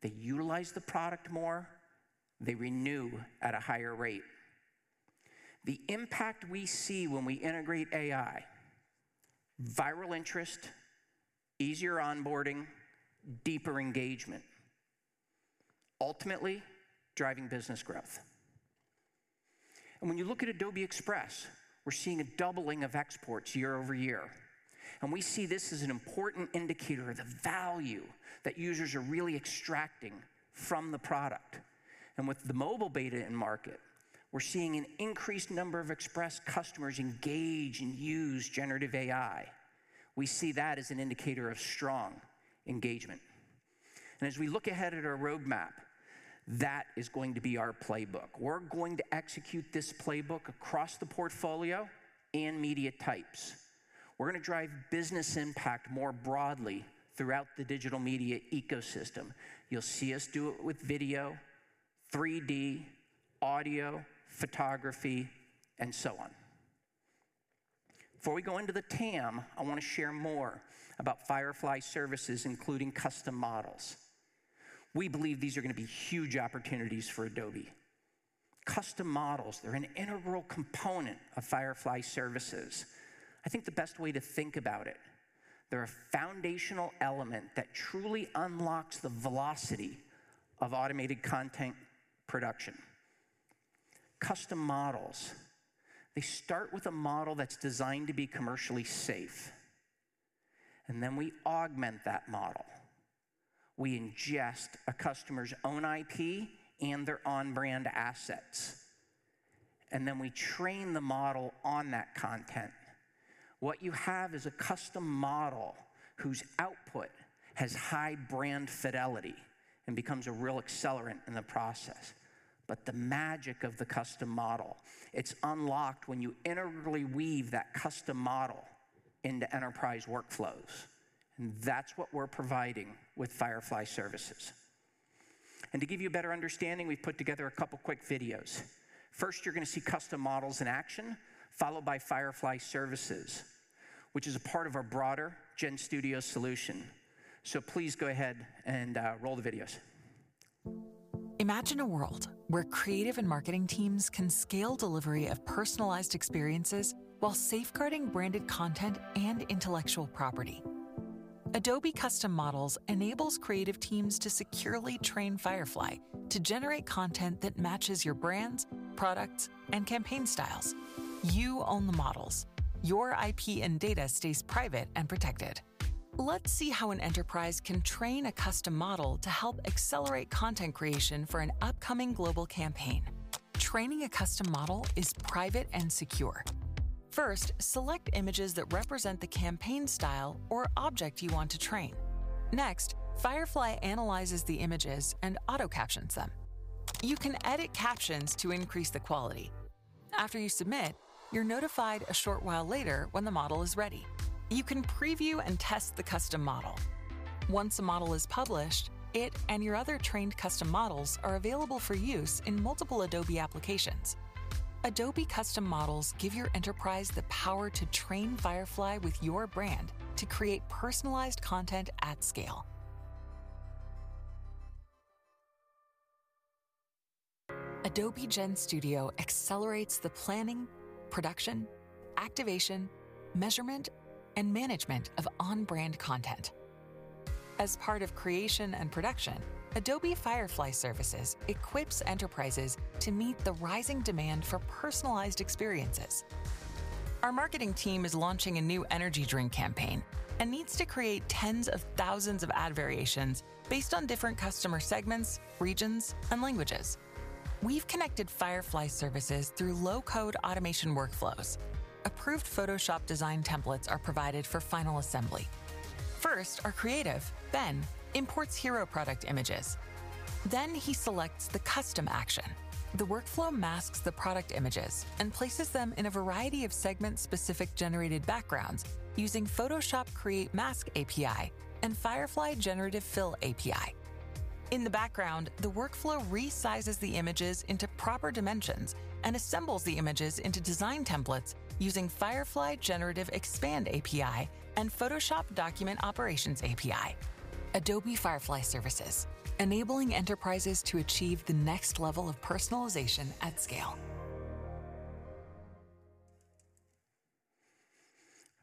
they utilize the product more, they renew at a higher rate. The impact we see when we integrate AI: viral interest, easier onboarding, deeper engagement, ultimately driving business growth. When you look at Adobe Express, we're seeing a doubling of exports year-over-year. We see this as an important indicator of the value that users are really extracting from the product. With the mobile beta in market, we're seeing an increased number of Express customers engage and use generative AI. We see that as an indicator of strong engagement. As we look ahead at our roadmap, that is going to be our playbook. We're going to execute this playbook across the portfolio and media types. We're going to drive business impact more broadly throughout the digital media ecosystem. You'll see us do it with video, 3D, audio, photography, and so on. Before we go into the TAM, I want to share more about Firefly Services, including Custom Models. We believe these are going to be huge opportunities for Adobe. Custom Models, they're an integral component of Firefly Services. I think the best way to think about it, they're a foundational element that truly unlocks the velocity of automated content production. Custom Models, they start with a model that's designed to be commercially safe. And then we augment that model. We ingest a customer's own IP and their on-brand assets. And then we train the model on that content. What you have is a custom model whose output has high brand fidelity and becomes a real accelerant in the process. But the magic of the custom model, it's unlocked when you integrally weave that custom model into enterprise workflows. And that's what we're providing with Firefly Services. And to give you a better understanding, we've put together a couple of quick videos. First, you're going to see custom models in action, followed by Firefly Services, which is a part of our broader GenStudio solution. So please go ahead and roll the videos. Imagine a world where creative and marketing teams can scale delivery of personalized experiences while safeguarding branded content and intellectual property. Adobe Custom Models enables creative teams to securely train Firefly to generate content that matches your brands, products, and campaign styles. You own the models. Your IP and data stays private and protected. Let's see how an enterprise can train a Custom Model to help accelerate content creation for an upcoming global campaign. Training a Custom Model is private and secure. First, select images that represent the campaign style or object you want to train. Next, Firefly analyzes the images and auto-captions them. You can edit captions to increase the quality. After you submit, you're notified a short while later when the model is ready. You can preview and test the Custom Model. Once the model is published, it and your other trained Custom Models are available for use in multiple Adobe applications. Adobe Custom Models give your enterprise the power to train Firefly with your brand to create personalized content at scale. Adobe GenStudio accelerates the planning, production, activation, measurement, and management of on-brand content. As part of creation and production, Adobe Firefly Services equips enterprises to meet the rising demand for personalized experiences. Our marketing team is launching a new energy drink campaign and needs to create tens of thousands of ad variations based on different customer segments, regions, and languages. We've connected Firefly Services through low-code automation workflows. Approved Photoshop design templates are provided for final assembly. First, our creative, Ben, imports hero product images. Then he selects the custom action. The workflow masks the product images and places them in a variety of segment-specific generated backgrounds using Photoshop Create Mask API and Firefly Generative Fill API. In the background, the workflow resizes the images into proper dimensions and assembles the images into design templates using Firefly Generative Expand API and Photoshop Document Operations API. Adobe Firefly Services, enabling enterprises to achieve the next level of personalization at scale.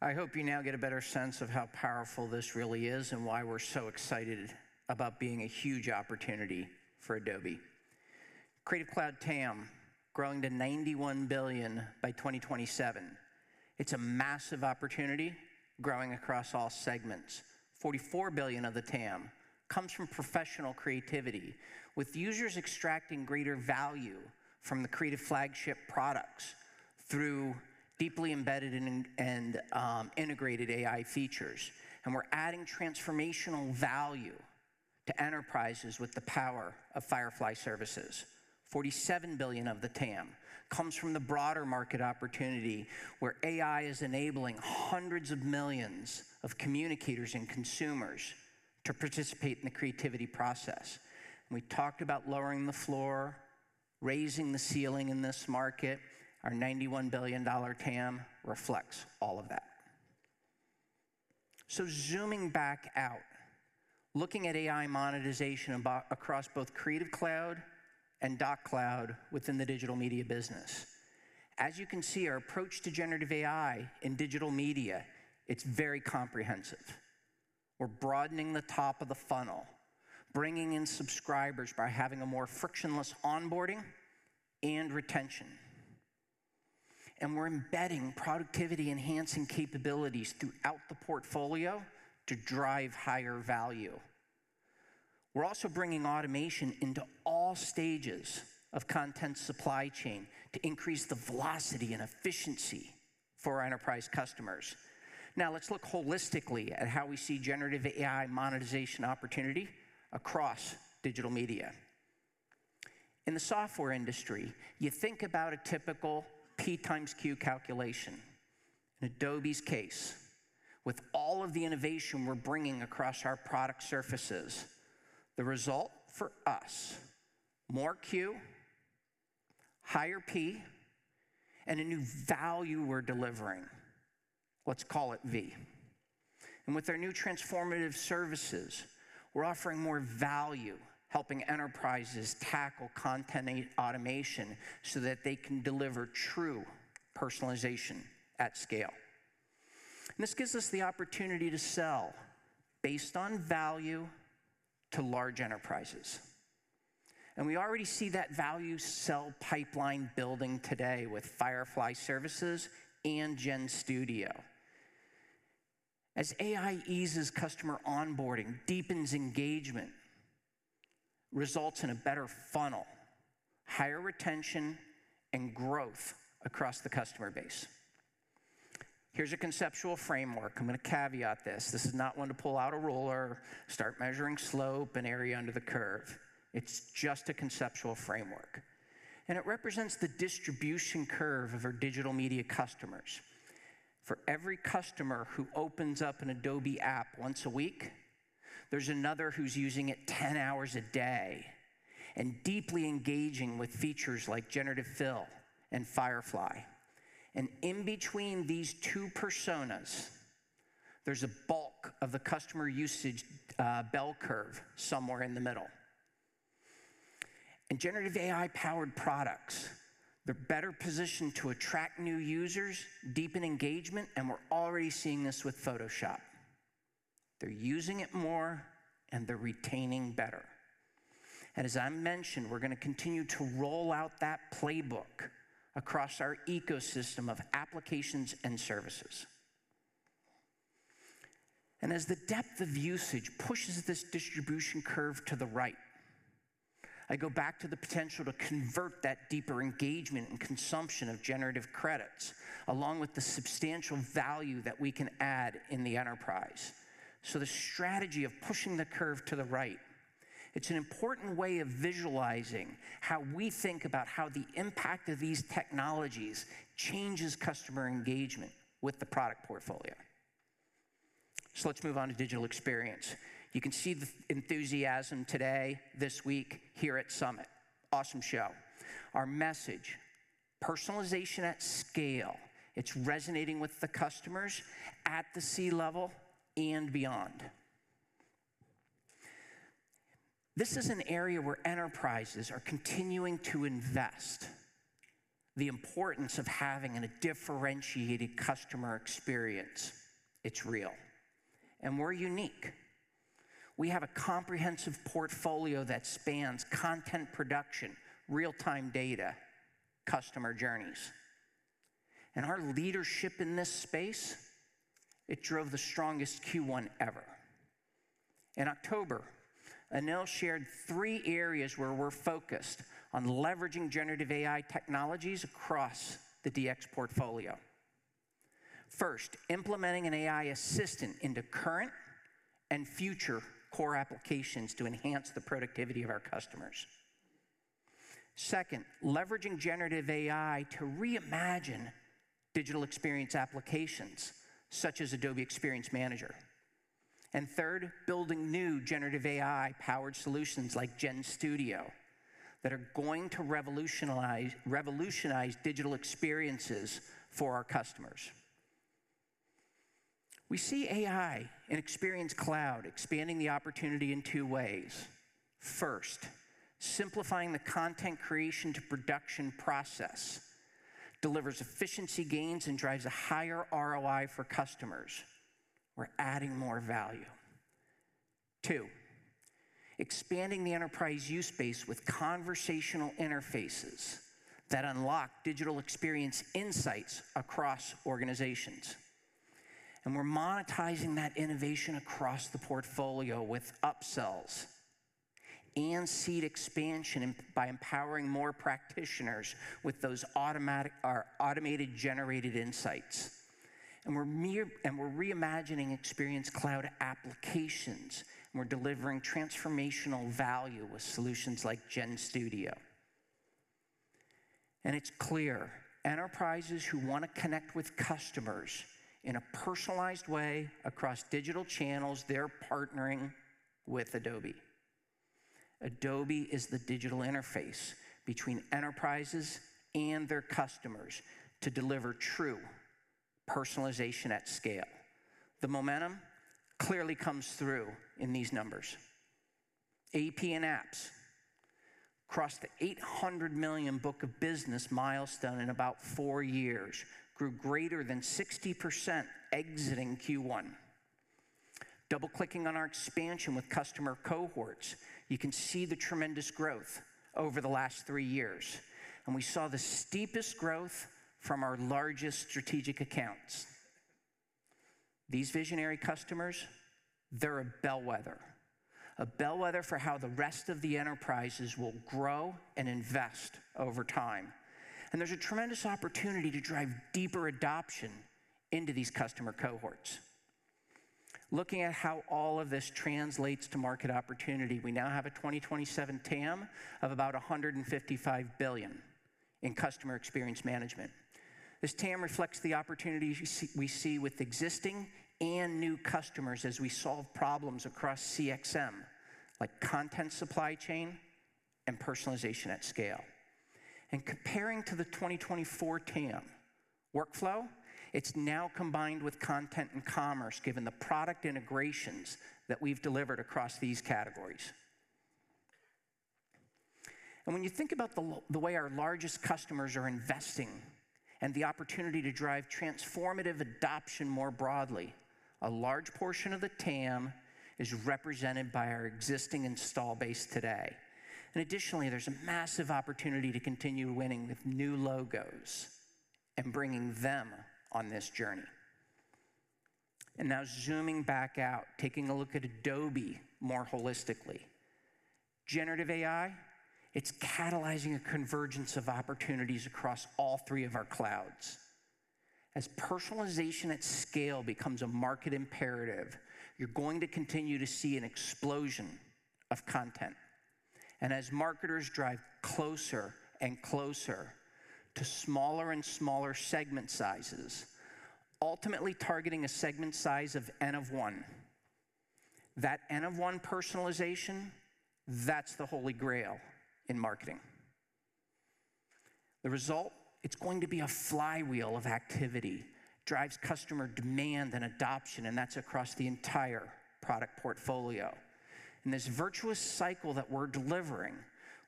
I hope you now get a better sense of how powerful this really is and why we're so excited about being a huge opportunity for Adobe. Creative Cloud TAM, growing to $91 billion by 2027. It's a massive opportunity growing across all segments. $44 billion of the TAM comes from professional creativity with users extracting greater value from the creative flagship products through deeply embedded and integrated AI features. And we're adding transformational value to enterprises with the power of Firefly services. $47 billion of the TAM comes from the broader market opportunity where AI is enabling hundreds of millions of communicators and consumers to participate in the creativity process. And we talked about lowering the floor, raising the ceiling in this market. Our $91 billion TAM reflects all of that. Zooming back out, looking at AI monetization across both Creative Cloud and Document Cloud within the digital media business. As you can see, our approach to generative AI in digital media, it's very comprehensive. We're broadening the top of the funnel, bringing in subscribers by having a more frictionless onboarding and retention. We're embedding productivity-enhancing capabilities throughout the portfolio to drive higher value. We're also bringing automation into all stages of content supply chain to increase the velocity and efficiency for our enterprise customers. Now, let's look holistically at how we see generative AI monetization opportunity across digital media. In the software industry, you think about a typical P times Q calculation. In Adobe's case, with all of the innovation we're bringing across our product surfaces, the result for us: more Q, higher P, and a new value we're delivering. Let's call it V. With our new transformative services, we're offering more value, helping enterprises tackle content automation so that they can deliver true personalization at scale. This gives us the opportunity to sell based on value to large enterprises. We already see that value sell pipeline building today with Firefly Services and GenStudio. As AI eases customer onboarding, deepens engagement, results in a better funnel, higher retention, and growth across the customer base. Here's a conceptual framework. I'm going to caveat this. This is not one to pull out a ruler, start measuring slope, an area under the curve. It's just a conceptual framework. It represents the distribution curve of our digital media customers. For every customer who opens up an Adobe app once a week, there's another who's using it 10 hours a day and deeply engaging with features like Generative Fill and Firefly. In between these two personas, there's a bulk of the customer usage bell curve somewhere in the middle. Generative AI-powered products, they're better positioned to attract new users, deepen engagement, and we're already seeing this with Photoshop. They're using it more, and they're retaining better. As I mentioned, we're going to continue to roll out that playbook across our ecosystem of applications and services. As the depth of usage pushes this distribution curve to the right, I go back to the potential to convert that deeper engagement and consumption of generative credits along with the substantial value that we can add in the enterprise. The strategy of pushing the curve to the right, it's an important way of visualizing how we think about how the impact of these technologies changes customer engagement with the product portfolio. Let's move on to digital experience. You can see the enthusiasm today, this week here at Summit. Awesome show. Our message: personalization at scale. It's resonating with the customers at the C-level and beyond. This is an area where enterprises are continuing to invest. The importance of having a differentiated customer experience, it's real. We're unique. We have a comprehensive portfolio that spans content production, real-time data, customer journeys. Our leadership in this space, it drove the strongest Q1 ever. In October, Anil shared three areas where we're focused on leveraging generative AI technologies across the DX portfolio. First, implementing an AI assistant into current and future core applications to enhance the productivity of our customers. Second, leveraging generative AI to reimagine digital experience applications such as Adobe Experience Manager. Third, building new generative AI-powered solutions like GenStudio that are going to revolutionize digital experiences for our customers. We see AI in Experience Cloud expanding the opportunity in two ways. First, simplifying the content creation to production process delivers efficiency gains and drives a higher ROI for customers. We're adding more value. Two, expanding the enterprise use space with conversational interfaces that unlock digital experience insights across organizations. And we're monetizing that innovation across the portfolio with upsells and seed expansion by empowering more practitioners with our automated generated insights. And we're reimagining Experience Cloud applications, and we're delivering transformational value with solutions like GenStudio. And it's clear, enterprises who want to connect with customers in a personalized way across digital channels, they're partnering with Adobe. Adobe is the digital interface between enterprises and their customers to deliver true personalization at scale. The momentum clearly comes through in these numbers. AEM and apps, across the 800 million book of business milestone in about four years, grew greater than 60% exiting Q1. Double-clicking on our expansion with customer cohorts, you can see the tremendous growth over the last three years. We saw the steepest growth from our largest strategic accounts. These visionary customers, they're a bellwether. A bellwether for how the rest of the enterprises will grow and invest over time. There's a tremendous opportunity to drive deeper adoption into these customer cohorts. Looking at how all of this translates to market opportunity, we now have a 2027 TAM of about $155 billion in customer experience management. This TAM reflects the opportunities we see with existing and new customers as we solve problems across CXM like content supply chain and personalization at scale. Comparing to the 2024 TAM workflow, it's now combined with content and commerce given the product integrations that we've delivered across these categories. When you think about the way our largest customers are investing and the opportunity to drive transformative adoption more broadly, a large portion of the TAM is represented by our existing install base today. Additionally, there's a massive opportunity to continue winning with new logos and bringing them on this journey. Now zooming back out, taking a look at Adobe more holistically. Generative AI, it's catalyzing a convergence of opportunities across all three of our clouds. As personalization at scale becomes a market imperative, you're going to continue to see an explosion of content. As marketers drive closer and closer to smaller and smaller segment sizes, ultimately targeting a segment size of N of one, that N of one personalization, that's the holy grail in marketing. The result, it's going to be a flywheel of activity, drives customer demand and adoption, and that's across the entire product portfolio. This virtuous cycle that we're delivering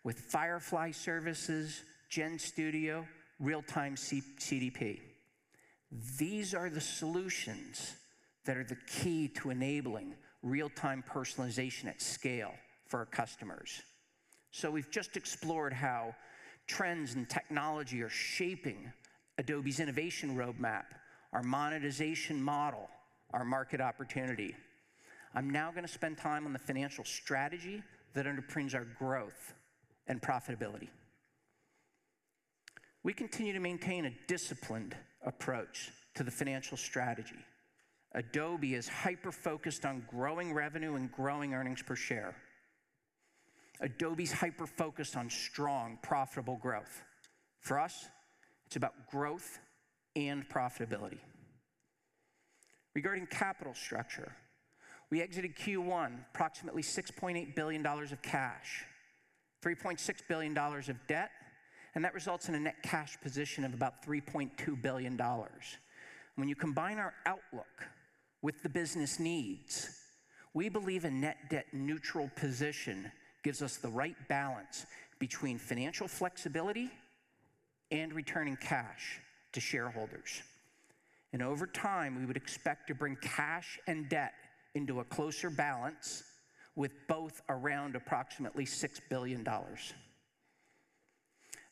with Firefly services, GenStudio, Real-Time CDP, these are the solutions that are the key to enabling real-time personalization at scale for our customers. We've just explored how trends and technology are shaping Adobe's innovation roadmap, our monetization model, our market opportunity. I'm now going to spend time on the financial strategy that underpins our growth and profitability. We continue to maintain a disciplined approach to the financial strategy. Adobe is hyper-focused on growing revenue and growing earnings per share. Adobe's hyper-focused on strong, profitable growth. For us, it's about growth and profitability. Regarding capital structure, we exited Q1 approximately $6.8 billion of cash, $3.6 billion of debt, and that results in a net cash position of about $3.2 billion. When you combine our outlook with the business needs, we believe a net debt neutral position gives us the right balance between financial flexibility and returning cash to shareholders. Over time, we would expect to bring cash and debt into a closer balance with both around approximately $6 billion.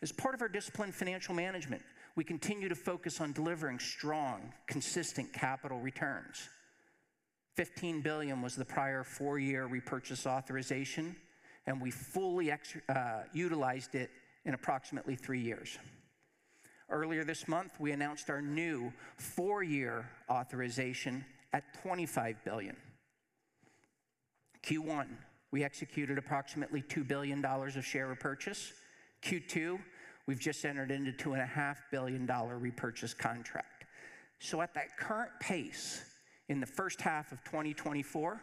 As part of our disciplined financial management, we continue to focus on delivering strong, consistent capital returns. $15 billion was the prior four-year repurchase authorization, and we fully utilized it in approximately three years. Earlier this month, we announced our new four-year authorization at $25 billion. Q1, we executed approximately $2 billion of share repurchase. Q2, we've just entered into a $2.5 billion repurchase contract. At that current pace, in the first half of 2024,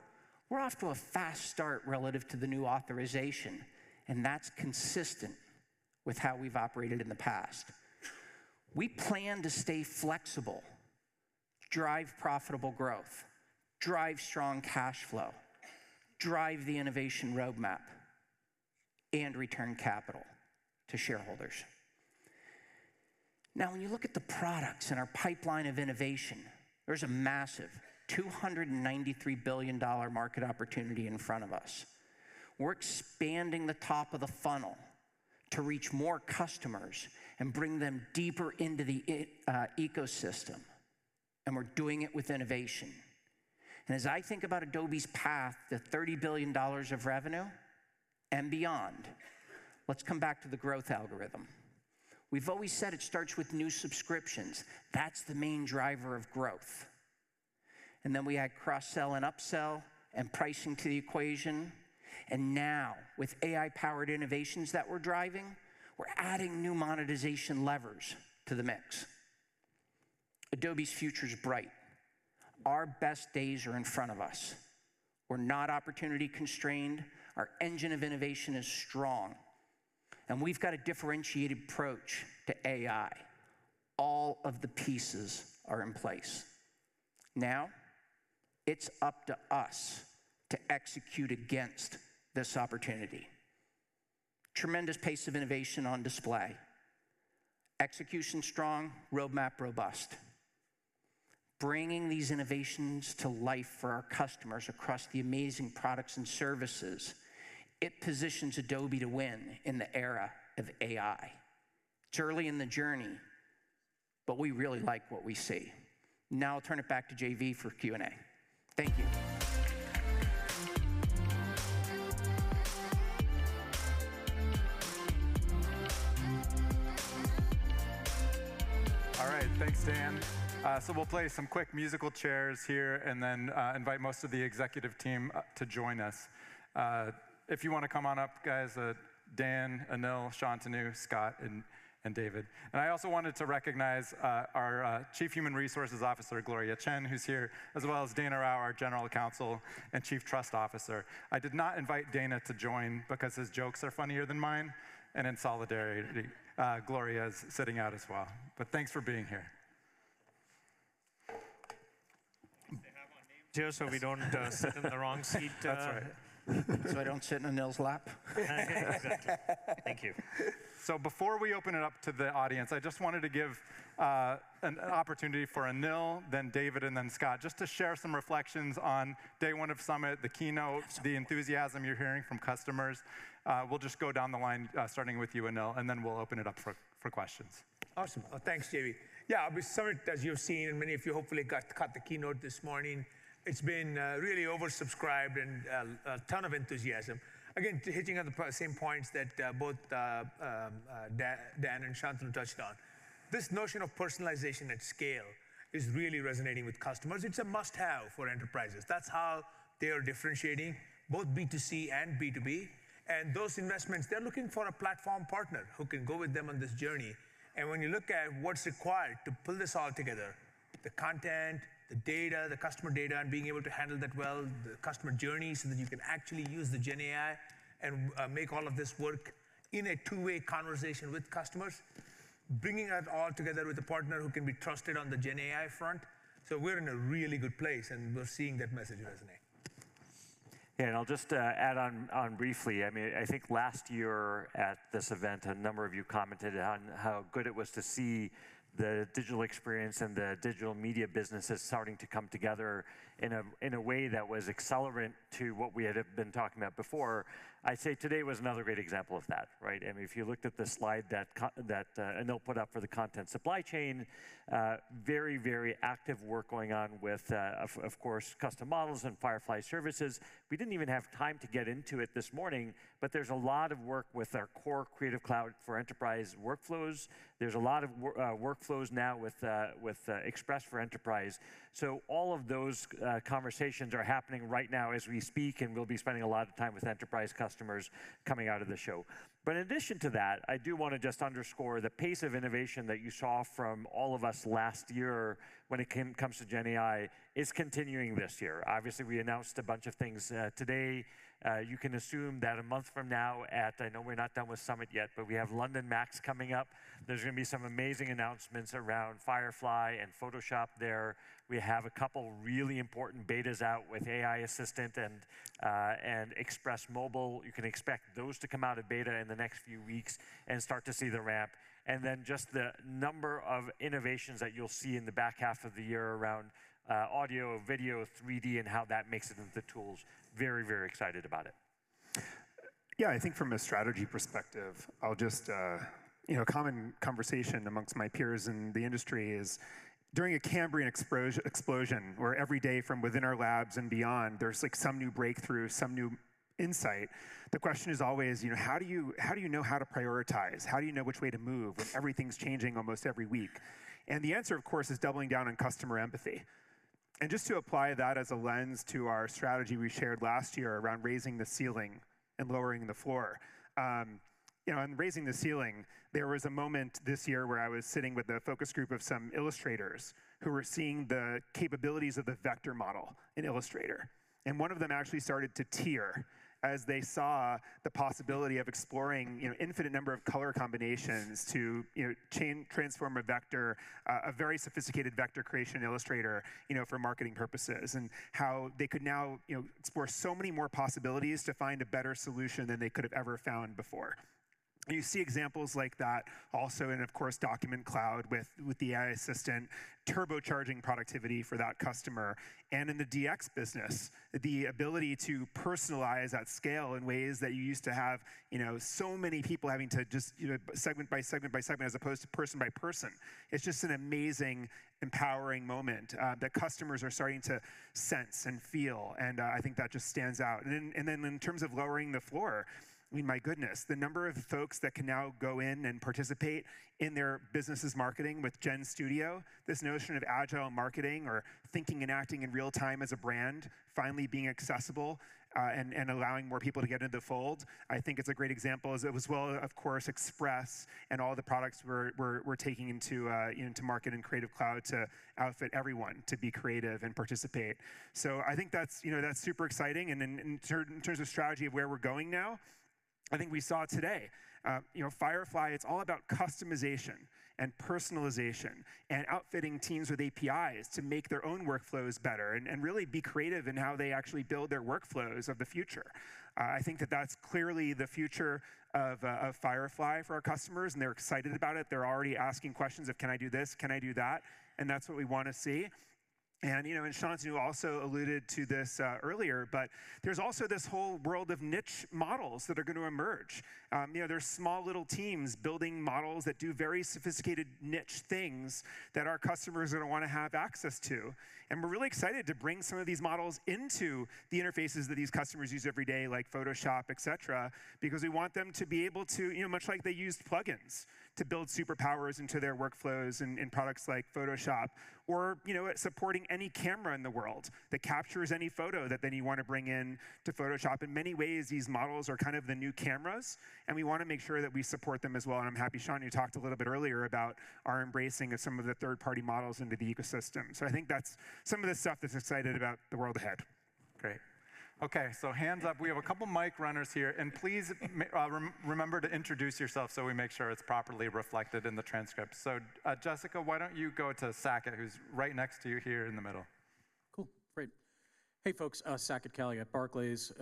we're off to a fast start relative to the new authorization, and that's consistent with how we've operated in the past. We plan to stay flexible, drive profitable growth, drive strong cash flow, drive the innovation roadmap, and return capital to shareholders. Now, when you look at the products and our pipeline of innovation, there's a massive $293 billion market opportunity in front of us. We're expanding the top of the funnel to reach more customers and bring them deeper into the ecosystem, and we're doing it with innovation. As I think about Adobe's path, the $30 billion of revenue and beyond, let's come back to the growth algorithm. We've always said it starts with new subscriptions. That's the main driver of growth. Then we add cross-sell and upsell and pricing to the equation. And now, with AI-powered innovations that we're driving, we're adding new monetization levers to the mix. Adobe's future is bright. Our best days are in front of us. We're not opportunity-constrained. Our engine of innovation is strong. And we've got a differentiated approach to AI. All of the pieces are in place. Now, it's up to us to execute against this opportunity. Tremendous pace of innovation on display. Execution strong, roadmap robust. Bringing these innovations to life for our customers across the amazing products and services, it positions Adobe to win in the era of AI. It's early in the journey, but we really like what we see. Now, I'll turn it back to J.V. for Q&A. Thank you. All right. Thanks, Dan. So we'll play some quick musical chairs here and then invite most of the executive team to join us. If you want to come on up, guys, Dan, Anil, Shantanu, Scott, and David. And I also wanted to recognize our Chief Human Resources Officer, Gloria Chen, who's here, as well as Dana Rao, our General Counsel and Chief Trust Officer. I did not invite Dana to join because his jokes are funnier than mine. And in solidarity, Gloria is sitting out as well. But thanks for being here. They have our names here so we don't sit in the wrong seat. That's right. So I don't sit in Anil's lap. Exactly. Thank you. So before we open it up to the audience, I just wanted to give an opportunity for Anil, then David, and then Scott just to share some reflections on Day One of Summit, the keynote, the enthusiasm you're hearing from customers. We'll just go down the line starting with you, Anil, and then we'll open it up for questions. Awesome. Thanks, J.V.. Yeah, Summit, as you've seen and many of you hopefully got to catch the keynote this morning, it's been really oversubscribed and a ton of enthusiasm. Again, hitting on the same points that both Dan and Shantanu touched on. This notion of personalization at scale is really resonating with customers. It's a must-have for enterprises. That's how they are differentiating both B2C and B2B. And those investments, they're looking for a platform partner who can go with them on this journey. And when you look at what's required to pull this all together, the content, the data, the customer data, and being able to handle that well, the customer journey so that you can actually use the Gen AI and make all of this work in a two-way conversation with customers, bringing it all together with a partner who can be trusted on the Gen AI front. We're in a really good place, and we're seeing that message resonate. Yeah, and I'll just add on briefly. I mean, I think last year at this event, a number of you commented on how good it was to see the digital experience and the digital media businesses starting to come together in a way that was accelerant to what we had been talking about before. I'd say today was another great example of that, right? I mean, if you looked at the slide that Anil put up for the Content Supply Chain, very, very active work going on with, of course, Custom Models and Firefly Services. We didn't even have time to get into it this morning, but there's a lot of work with our core Creative Cloud for Enterprise workflows. There's a lot of workflows now with Express for Enterprise. So all of those conversations are happening right now as we speak, and we'll be spending a lot of time with enterprise customers coming out of the show. But in addition to that, I do want to just underscore the pace of innovation that you saw from all of us last year when it comes to Gen AI is continuing this year. Obviously, we announced a bunch of things today. You can assume that a month from now at I know we're not done with Summit yet, but we have London MAX coming up. There's going to be some amazing announcements around Firefly and Photoshop there. We have a couple really important betas out with AI Assistant and Express Mobile. You can expect those to come out of beta in the next few weeks and start to see the ramp. And then just the number of innovations that you'll see in the back half of the year around audio, video, 3D, and how that makes it into the tools. Very, very excited about it. Yeah, I think from a strategy perspective, I'll just a common conversation amongst my peers in the industry is during a Cambrian explosion where every day from within our labs and beyond, there's some new breakthrough, some new insight. The question is always, how do you know how to prioritize? How do you know which way to move when everything's changing almost every week? And the answer, of course, is doubling down on customer empathy. And just to apply that as a lens to our strategy we shared last year around raising the ceiling and lowering the floor. On raising the ceiling, there was a moment this year where I was sitting with a focus group of some illustrators who were seeing the capabilities of the vector model in Illustrator. One of them actually started to tear as they saw the possibility of exploring an infinite number of color combinations to transform a vector, a very sophisticated vector creation Illustrator for marketing purposes, and how they could now explore so many more possibilities to find a better solution than they could have ever found before. You see examples like that also in, of course, Document Cloud with the AI Assistant, turbocharging productivity for that customer. And in the DX business, the ability to personalize at scale in ways that you used to have so many people having to just segment by segment by segment as opposed to person by person. It's just an amazing, empowering moment that customers are starting to sense and feel. And I think that just stands out. And then, in terms of lowering the floor, I mean, my goodness, the number of folks that can now go in and participate in their business's marketing with GenStudio, this notion of agile marketing or thinking and acting in real time as a brand finally being accessible and allowing more people to get into the fold, I think it's a great example as it was, well, of course, Express and all the products we're taking into market in Creative Cloud to outfit everyone to be creative and participate. So I think that's super exciting. And in terms of strategy of where we're going now, I think we saw today, Firefly, it's all about customization and personalization and outfitting teams with APIs to make their own workflows better and really be creative in how they actually build their workflows of the future. I think that that's clearly the future of Firefly for our customers, and they're excited about it. They're already asking questions of, "Can I do this? Can I do that?" That's what we want to see. Shantanu also alluded to this earlier, but there's also this whole world of niche models that are going to emerge. There's small little teams building models that do very sophisticated niche things that our customers are going to want to have access to. We're really excited to bring some of these models into the interfaces that these customers use every day, like Photoshop, etc., because we want them to be able to, much like they used plugins to build superpowers into their workflows in products like Photoshop or supporting any camera in the world that captures any photo that then you want to bring in to Photoshop. In many ways, these models are kind of the new cameras, and we want to make sure that we support them as well. And I'm happy Shantanu talked a little bit earlier about our embracing of some of the third-party models into the ecosystem. So I think that's some of the stuff that's exciting about the world ahead. Great. Okay, hands up. We have a couple of mic runners here. Please remember to introduce yourself so we make sure it's properly reflected in the transcript. Jessica, why don't you go to Saket, who's right next to you here in the middle? Cool. Great. Hey, folks. Saket Kalia at Barclays.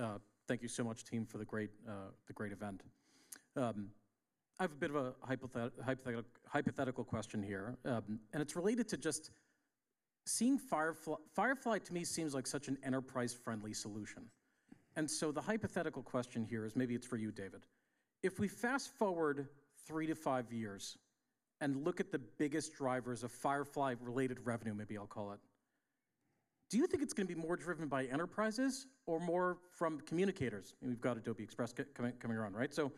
Thank you so much, team, for the great event. I have a bit of a hypothetical question here, and it's related to just seeing Firefly to me seems like such an enterprise-friendly solution. So the hypothetical question here is maybe it's for you, David. If we fast forward 3-5 years and look at the biggest drivers of Firefly-related revenue, maybe I'll call it, do you think it's going to be more driven by enterprises or more from communicators? I mean, we've got Adobe Express coming around, right? So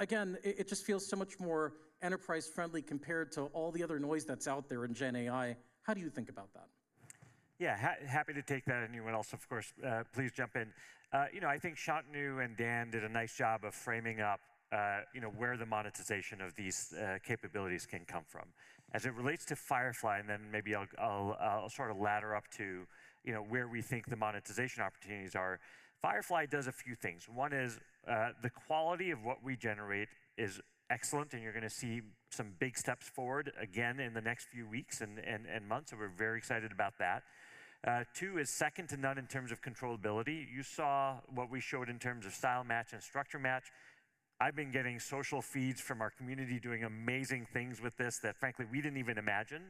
again, it just feels so much more enterprise-friendly compared to all the other noise that's out there in Gen AI. How do you think about that? Yeah, happy to take that. And you would also, of course, please jump in. I think Shantanu and Dan did a nice job of framing up where the monetization of these capabilities can come from. As it relates to Firefly, and then maybe I'll sort of ladder up to where we think the monetization opportunities are. Firefly does a few things. One is the quality of what we generate is excellent, and you're going to see some big steps forward again in the next few weeks and months. So we're very excited about that. Two is second to none in terms of controllability. You saw what we showed in terms of style match and structure match. I've been getting social feeds from our community doing amazing things with this that, frankly, we didn't even imagine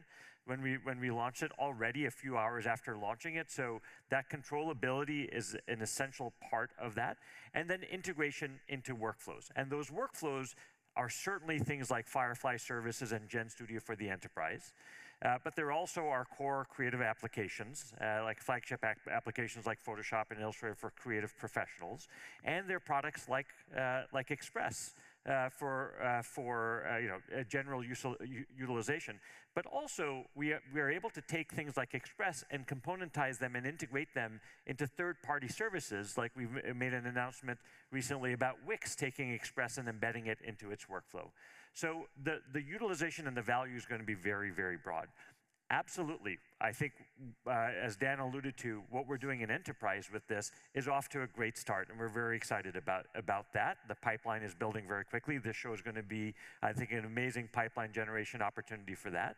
when we launched it already a few hours after launching it. So that controllability is an essential part of that. And then integration into workflows. And those workflows are certainly things like Firefly services and Gen Studio for the enterprise. But there also are core creative applications, like flagship applications like Photoshop and Illustrator for creative professionals, and there are products like Express for general utilization. But also, we are able to take things like Express and componentize them and integrate them into third-party services. Like we made an announcement recently about Wix taking Express and embedding it into its workflow. So the utilization and the value is going to be very, very broad. Absolutely. I think, as Dan alluded to, what we're doing in enterprise with this is off to a great start, and we're very excited about that. The pipeline is building very quickly. This show is going to be, I think, an amazing pipeline generation opportunity for that.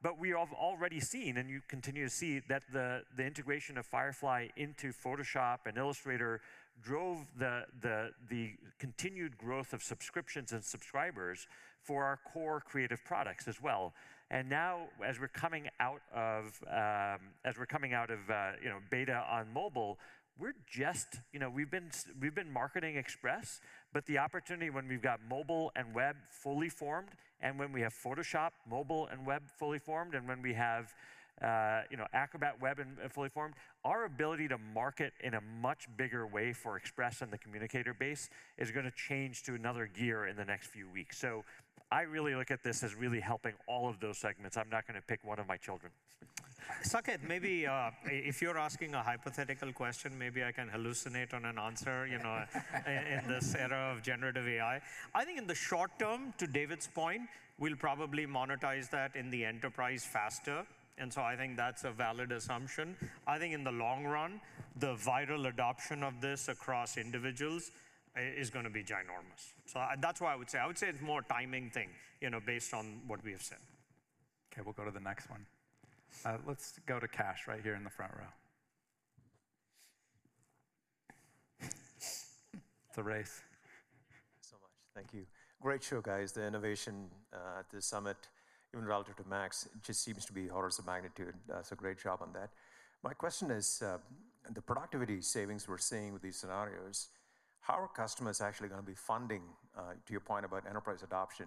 But we have already seen, and you continue to see, that the integration of Firefly into Photoshop and Illustrator drove the continued growth of subscriptions and subscribers for our core creative products as well. And now, as we're coming out of beta on mobile, we've been marketing Express, but the opportunity when we've got mobile and web fully formed, and when we have Photoshop mobile and web fully formed, and when we have Acrobat Web fully formed, our ability to market in a much bigger way for Express and the communicator base is going to change to another gear in the next few weeks. So I really look at this as really helping all of those segments. I'm not going to pick one of my children. Saket, maybe if you're asking a hypothetical question, maybe I can hallucinate on an answer in this era of generative AI. I think in the short term, to David's point, we'll probably monetize that in the enterprise faster. And so I think that's a valid assumption. I think in the long run, the viral adoption of this across individuals is going to be ginormous. So that's why I would say I would say it's more a timing thing based on what we have said. Okay, we'll go to the next one. Let's go to Kash right here in the front row. It's a race. Thanks so much. Thank you. Great show, guys. The innovation at this summit, even relative to Max, just seems to be orders of magnitude. So great job on that. My question is, the productivity savings we're seeing with these scenarios, how are customers actually going to be funding, to your point about enterprise adoption?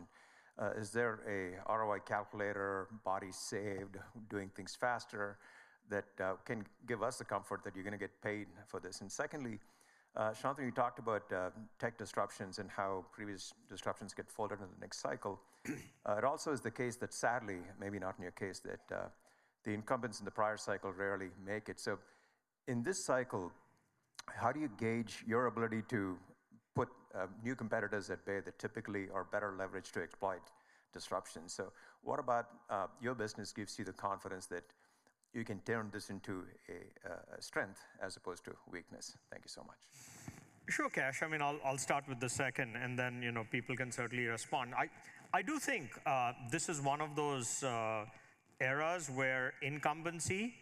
Is there an ROI calculator, hours saved, doing things faster that can give us the comfort that you're going to get paid for this? And secondly, Shantanu, you talked about tech disruptions and how previous disruptions get folded in the next cycle. It also is the case that, sadly, maybe not in your case, that the incumbents in the prior cycle rarely make it. So in this cycle, how do you gauge your ability to keep new competitors at bay that typically are better leveraged to exploit disruptions? So what about your business gives you the confidence that you can turn this into a strength as opposed to weakness? Thank you so much. Sure, Kash. I mean, I'll start with the second, and then people can certainly respond. I do think this is one of those eras where incumbency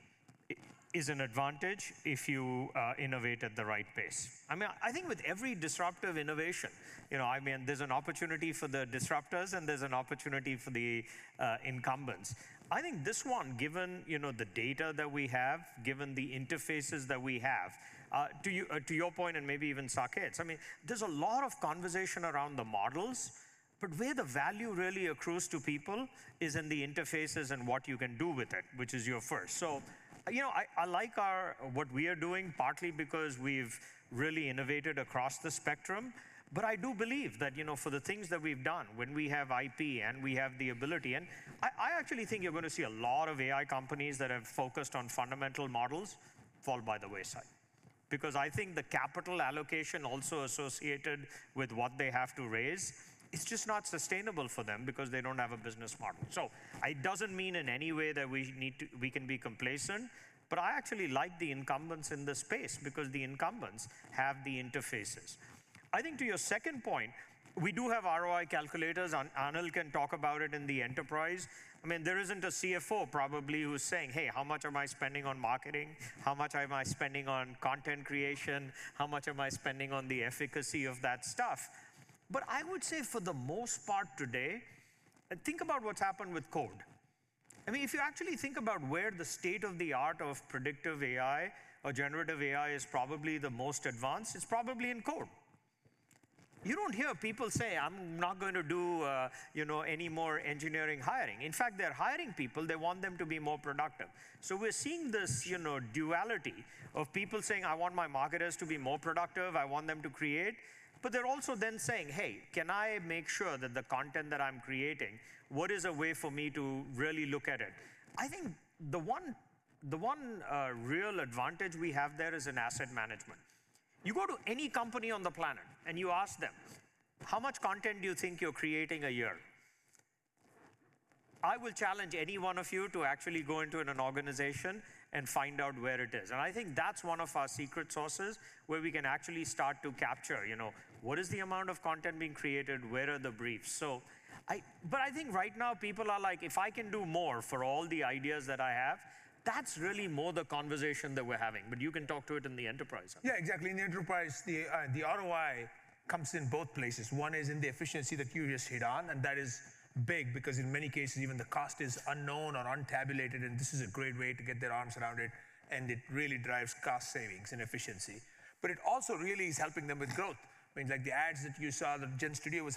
is an advantage if you innovate at the right pace. I mean, I think with every disruptive innovation, I mean, there's an opportunity for the disruptors, and there's an opportunity for the incumbents. I think this one, given the data that we have, given the interfaces that we have, to your point and maybe even Saket, I mean, there's a lot of conversation around the models, but where the value really accrues to people is in the interfaces and what you can do with it, which is your first. So I like what we are doing, partly because we've really innovated across the spectrum. But I do believe that for the things that we've done, when we have IP and we have the ability, and I actually think you're going to see a lot of AI companies that have focused on fundamental models fall by the wayside because I think the capital allocation also associated with what they have to raise, it's just not sustainable for them because they don't have a business model. So it doesn't mean in any way that we can be complacent, but I actually like the incumbents in this space because the incumbents have the interfaces. I think to your second point, we do have ROI calculators. Anil can talk about it in the enterprise. I mean, there isn't a CFO probably who's saying, "Hey, how much am I spending on marketing? How much am I spending on content creation? How much am I spending on the efficacy of that stuff?" But I would say for the most part today, think about what's happened with code. I mean, if you actually think about where the state of the art of predictive AI or generative AI is probably the most advanced, it's probably in code. You don't hear people say, "I'm not going to do any more engineering hiring." In fact, they're hiring people. They want them to be more productive. So we're seeing this duality of people saying, "I want my marketers to be more productive. I want them to create." But they're also then saying, "Hey, can I make sure that the content that I'm creating, what is a way for me to really look at it?" I think the one real advantage we have there is in asset management. You go to any company on the planet and you ask them, "How much content do you think you're creating a year?" I will challenge any one of you to actually go into an organization and find out where it is. And I think that's one of our secret sources where we can actually start to capture, what is the amount of content being created? Where are the briefs? But I think right now, people are like, "If I can do more for all the ideas that I have, that's really more the conversation that we're having." But you can talk to it in the enterprise. Yeah, exactly. In the enterprise, the ROI comes in both places. One is in the efficiency that you just hit on, and that is big because in many cases, even the cost is unknown or untabulated, and this is a great way to get their arms around it, and it really drives cost savings and efficiency. It also really is helping them with growth. I mean, like the ads that you saw that GenStudio was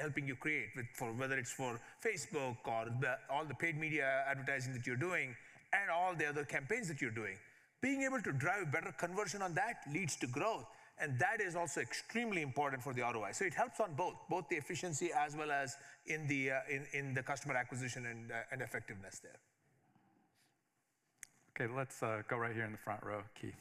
helping you create, whether it's for Facebook or all the paid media advertising that you're doing and all the other campaigns that you're doing, being able to drive better conversion on that leads to growth. That is also extremely important for the ROI. It helps on both, both the efficiency as well as in the customer acquisition and effectiveness there. Okay, let's go right here in the front row, Keith.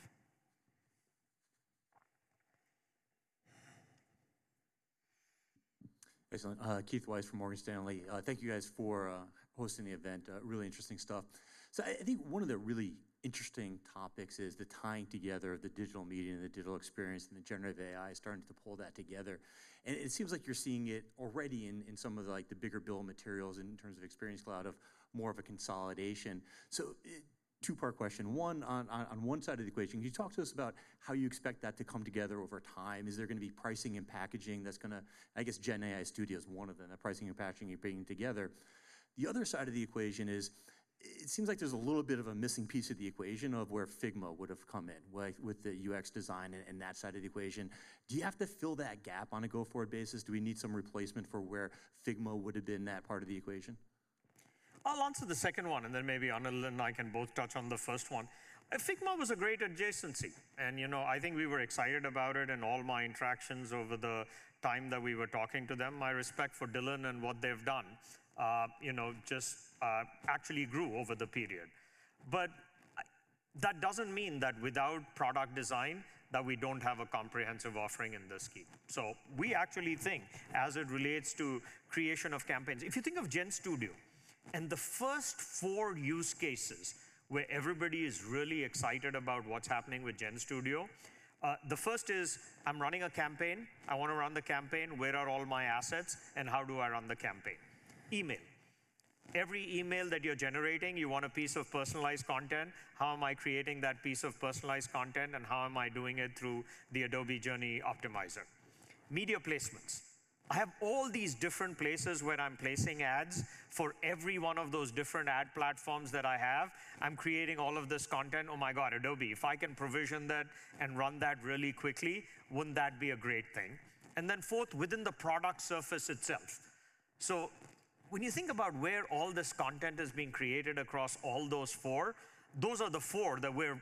Excellent. Keith Weiss from Morgan Stanley. Thank you guys for hosting the event. Really interesting stuff. So I think one of the really interesting topics is the tying together of the digital media and the digital experience and the generative AI, starting to pull that together. And it seems like you're seeing it already in some of the bigger bill materials in terms of Experience Cloud of more of a consolidation. So two-part question. One, on one side of the equation, can you talk to us about how you expect that to come together over time? Is there going to be pricing and packaging that's going to, I guess, GenStudio is one of them, the pricing and packaging you're bringing together. The other side of the equation is it seems like there's a little bit of a missing piece of the equation of where Figma would have come in with the UX design and that side of the equation. Do you have to fill that gap on a go-forward basis? Do we need some replacement for where Figma would have been that part of the equation? I'll answer the second one, and then maybe Anil and I can both touch on the first one. Figma was a great adjacency, and I think we were excited about it. And all my interactions over the time that we were talking to them, my respect for Dylan and what they've done just actually grew over the period. But that doesn't mean that without product design, that we don't have a comprehensive offering in this scheme. So we actually think, as it relates to creation of campaigns, if you think of GenStudio and the first four use cases where everybody is really excited about what's happening with GenStudio, the first is, "I'm running a campaign. I want to run the campaign. Where are all my assets? And how do I run the campaign?" Email. Every email that you're generating, you want a piece of personalized content. How am I creating that piece of personalized content, and how am I doing it through the Adobe Journey Optimizer? Media placements. I have all these different places where I'm placing ads for every one of those different ad platforms that I have. I'm creating all of this content. Oh my God, Adobe, if I can provision that and run that really quickly, wouldn't that be a great thing? And then fourth, within the product surface itself. So when you think about where all this content is being created across all those four, those are the four that we're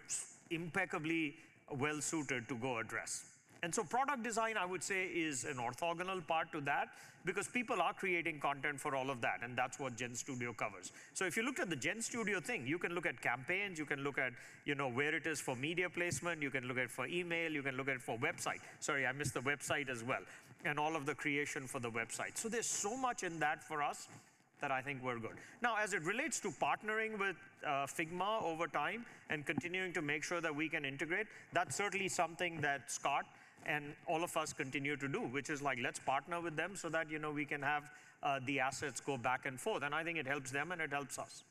impeccably well-suited to go address. And so product design, I would say, is an orthogonal part to that because people are creating content for all of that, and that's what Gen Studio covers. So if you looked at the Gen Studio thing, you can look at campaigns. You can look at where it is for media placement. You can look at for email. You can look at it for website. Sorry, I missed the website as well and all of the creation for the website. So there's so much in that for us that I think we're good. Now, as it relates to partnering with Figma over time and continuing to make sure that we can integrate, that's certainly something that Scott and all of us continue to do, which is like, "Let's partner with them so that we can have the assets go back and forth." And I think it helps them, and it helps us.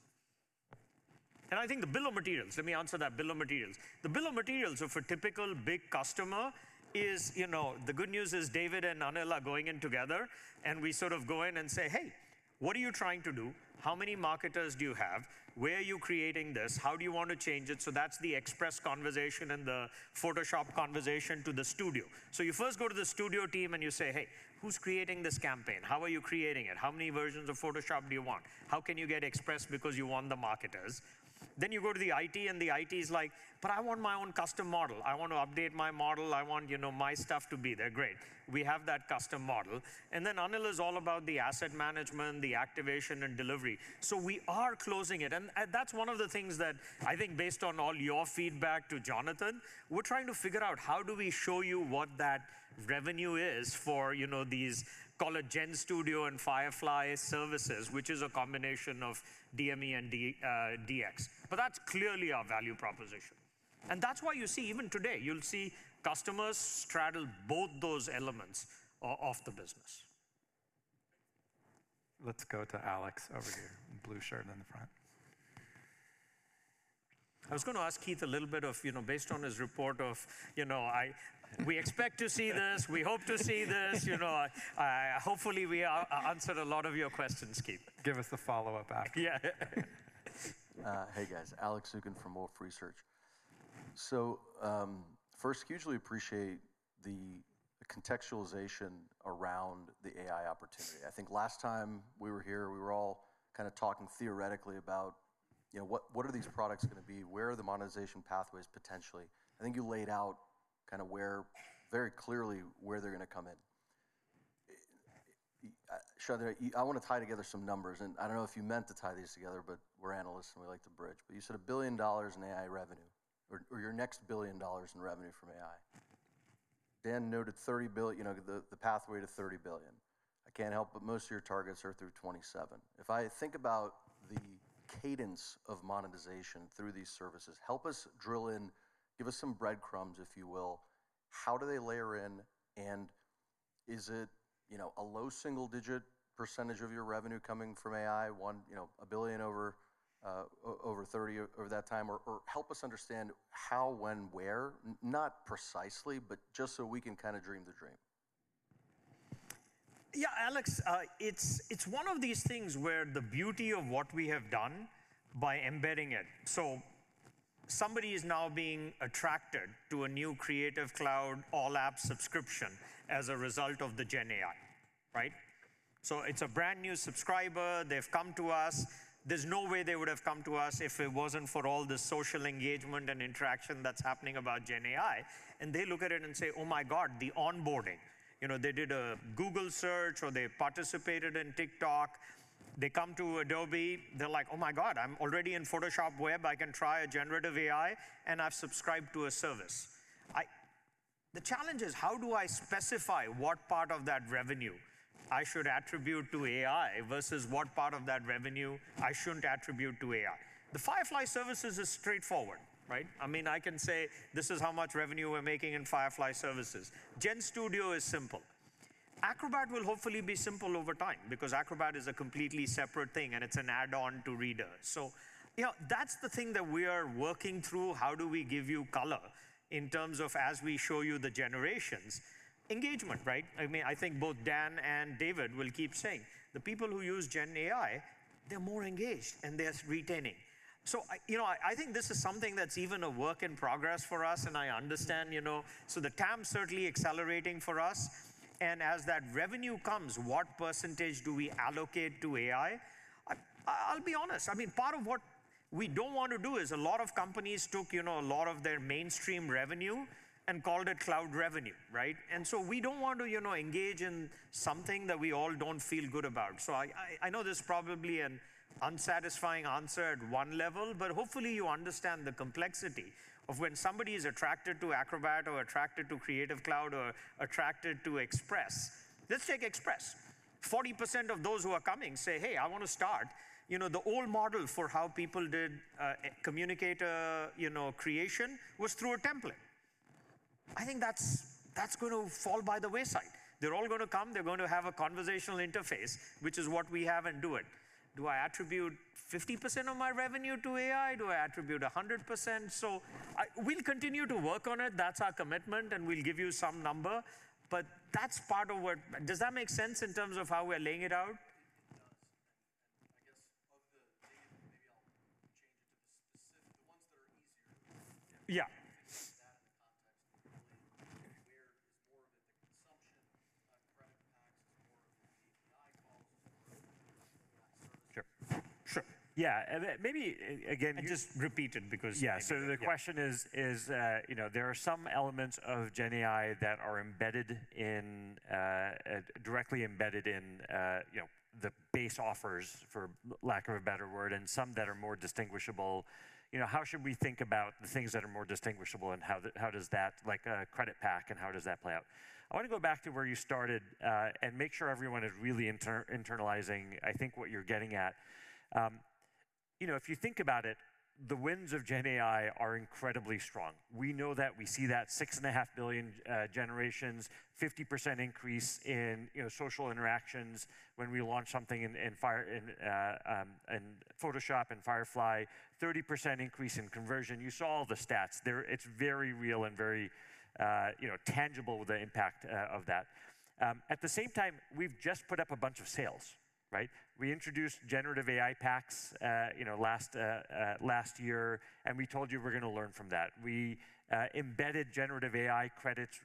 And I think the bill of materials, let me answer that. Bill of materials. The bill of materials for a typical big customer is, the good news is David and Anil are going in together, and we sort of go in and say, "Hey, what are you trying to do? How many marketers do you have? Where are you creating this? How do you want to change it?" So that's the Express conversation and the Photoshop conversation to the studio. So you first go to the studio team and you say, "Hey, who's creating this campaign? How are you creating it? How many versions of Photoshop do you want? How can you get Express because you want the marketers?" Then you go to the IT, and the IT is like, "But I want my own custom model. I want to update my model. I want my stuff to be there." Great. We have that custom model. Then Anil is all about the asset management, the activation, and delivery. We are closing it. That's one of the things that I think, based on all your feedback to Jonathan, we're trying to figure out, how do we show you what that revenue is for these, call it GenStudio and Firefly services, which is a combination of DME and DX? But that's clearly our value proposition. That's why you see, even today, you'll see customers straddle both those elements of the business. Let's go to Alex over here, blue shirt in the front. I was going to ask Keith a little bit of, based on his report of, "We expect to see this. We hope to see this." Hopefully, we answered a lot of your questions, Keith. Give us the follow-up after. Yeah. Hey, guys. Alex Zukin for Wolfe Research. So first, hugely appreciate the contextualization around the AI opportunity. I think last time we were here, we were all kind of talking theoretically about, what are these products going to be? Where are the monetization pathways potentially? I think you laid out kind of very clearly where they're going to come in. Shantanu, I want to tie together some numbers. And I don't know if you meant to tie these together, but we're analysts, and we like to bridge. But you said $1 billion in AI revenue or your next $1 billion in revenue from AI. Dan noted the pathway to $30 billion. I can't help, but most of your targets are through 2027. If I think about the cadence of monetization through these services, help us drill in, give us some breadcrumbs, if you will. How do they layer in? Is it a low single-digit % of your revenue coming from AI, $1 billion over $30 billion over that time? Or help us understand how, when, where? Not precisely, but just so we can kind of dream the dream. Yeah, Alex, it's one of these things where the beauty of what we have done by embedding it. So somebody is now being attracted to a new Creative Cloud all-app subscription as a result of the Gen AI, right? So it's a brand new subscriber. They've come to us. There's no way they would have come to us if it wasn't for all the social engagement and interaction that's happening about Gen AI. And they look at it and say, "Oh my God, the onboarding." They did a Google search, or they participated in TikTok. They come to Adobe. They're like, "Oh my God, I'm already in Photoshop Web. I can try a generative AI, and I've subscribed to a service." The challenge is, how do I specify what part of that revenue I should attribute to AI versus what part of that revenue I shouldn't attribute to AI? The Firefly Services is straightforward, right? I mean, I can say, "This is how much revenue we're making in Firefly Services." GenStudio is simple. Acrobat will hopefully be simple over time because Acrobat is a completely separate thing, and it's an add-on to Reader. So that's the thing that we are working through. How do we give you color in terms of, as we show you the generations, engagement, right? I mean, I think both Dan and David will keep saying, "The people who use Gen AI, they're more engaged, and they're retaining." So I think this is something that's even a work in progress for us, and I understand. So the TAM is certainly accelerating for us. And as that revenue comes, what percentage do we allocate to AI? I'll be honest. I mean, part of what we don't want to do is a lot of companies took a lot of their mainstream revenue and called it cloud revenue, right? And so we don't want to engage in something that we all don't feel good about. So I know this is probably an unsatisfying answer at one level, but hopefully, you understand the complexity of when somebody is attracted to Acrobat or attracted to Creative Cloud or attracted to Express. Let's take Express. 40% of those who are coming say, "Hey, I want to start." The old model for how people did content creation was through a template. I think that's going to fall by the wayside. They're all going to come. They're going to have a conversational interface, which is what we have, and do it. Do I attribute 50% of my revenue to AI? Do I attribute 100%? We'll continue to work on it. That's our commitment, and we'll give you some number. But that's part of what. Does that make sense in terms of how we're laying it out? It does. I guess of the negative, maybe I'll change it to the specific, the ones that are easier. Yeah. Sure. Sure. Yeah. Maybe, again, just repeat it because yeah. So the question is, there are some elements of Gen AI that are directly embedded in the base offers, for lack of a better word, and some that are more distinguishable. How should we think about the things that are more distinguishable, and how does that, like a credit pack, and how does that play out? I want to go back to where you started and make sure everyone is really internalizing, I think, what you're getting at. If you think about it, the winds of Gen AI are incredibly strong. We know that. We see that: 6.5 billion generations, 50% increase in social interactions when we launch something in Photoshop and Firefly, 30% increase in conversion. You saw all the stats. It's very real and very tangible with the impact of that. At the same time, we've just put up a bunch of sales, right? We introduced generative AI packs last year, and we told you we're going to learn from that. We embedded generative AI credits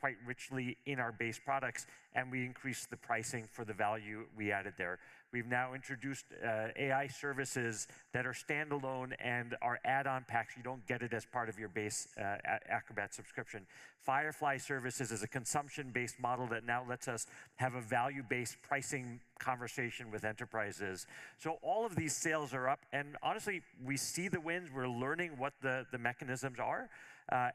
quite richly in our base products, and we increased the pricing for the value we added there. We've now introduced AI services that are standalone and are add-on packs. You don't get it as part of your base Acrobat subscription. Firefly Services is a consumption-based model that now lets us have a value-based pricing conversation with enterprises. So all of these sales are up. And honestly, we see the winds. We're learning what the mechanisms are.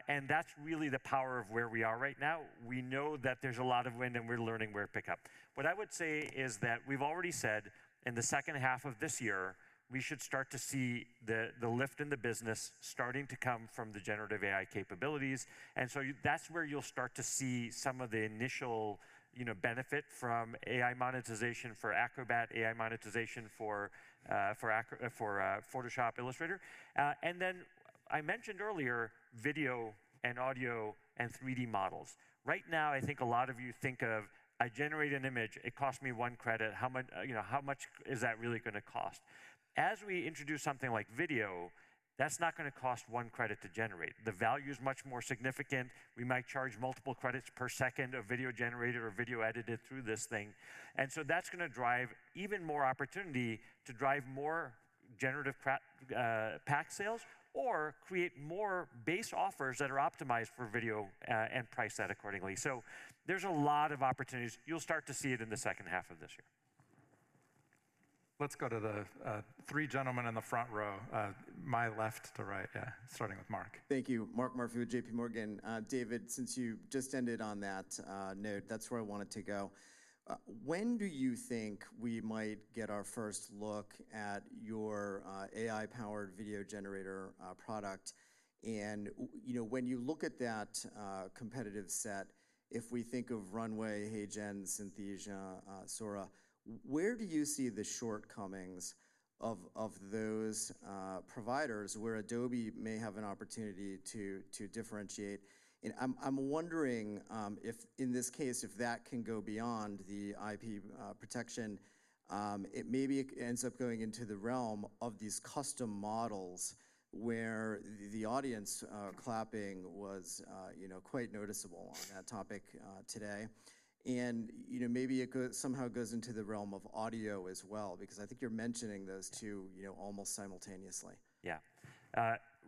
And that's really the power of where we are right now. We know that there's a lot of wind, and we're learning where to pick up. What I would say is that we've already said, in the second half of this year, we should start to see the lift in the business starting to come from the generative AI capabilities. And so that's where you'll start to see some of the initial benefit from AI monetization for Acrobat, AI monetization for Photoshop Illustrator. And then I mentioned earlier video and audio and 3D models. Right now, I think a lot of you think of, "I generate an image. It costs me one credit. How much is that really going to cost?" As we introduce something like video, that's not going to cost one credit to generate. The value is much more significant. We might charge multiple credits per second of video generated or video edited through this thing. And so that's going to drive even more opportunity to drive more generative pack sales or create more base offers that are optimized for video and price that accordingly. So there's a lot of opportunities. You'll start to see it in the second half of this year. Let's go to the three gentlemen in the front row, my left to right. Yeah, starting with Mark. Thank you. Mark Murphy with J.P. Morgan. David, since you just ended on that note, that's where I wanted to go. When do you think we might get our first look at your AI-powered video generator product? And when you look at that competitive set, if we think of Runway, HeyGen, Synthesia, Sora, where do you see the shortcomings of those providers where Adobe may have an opportunity to differentiate? And I'm wondering, in this case, if that can go beyond the IP protection, it maybe ends up going into the realm of these custom models where the audience clapping was quite noticeable on that topic today. And maybe it somehow goes into the realm of audio as well because I think you're mentioning those two almost simultaneously. Yeah.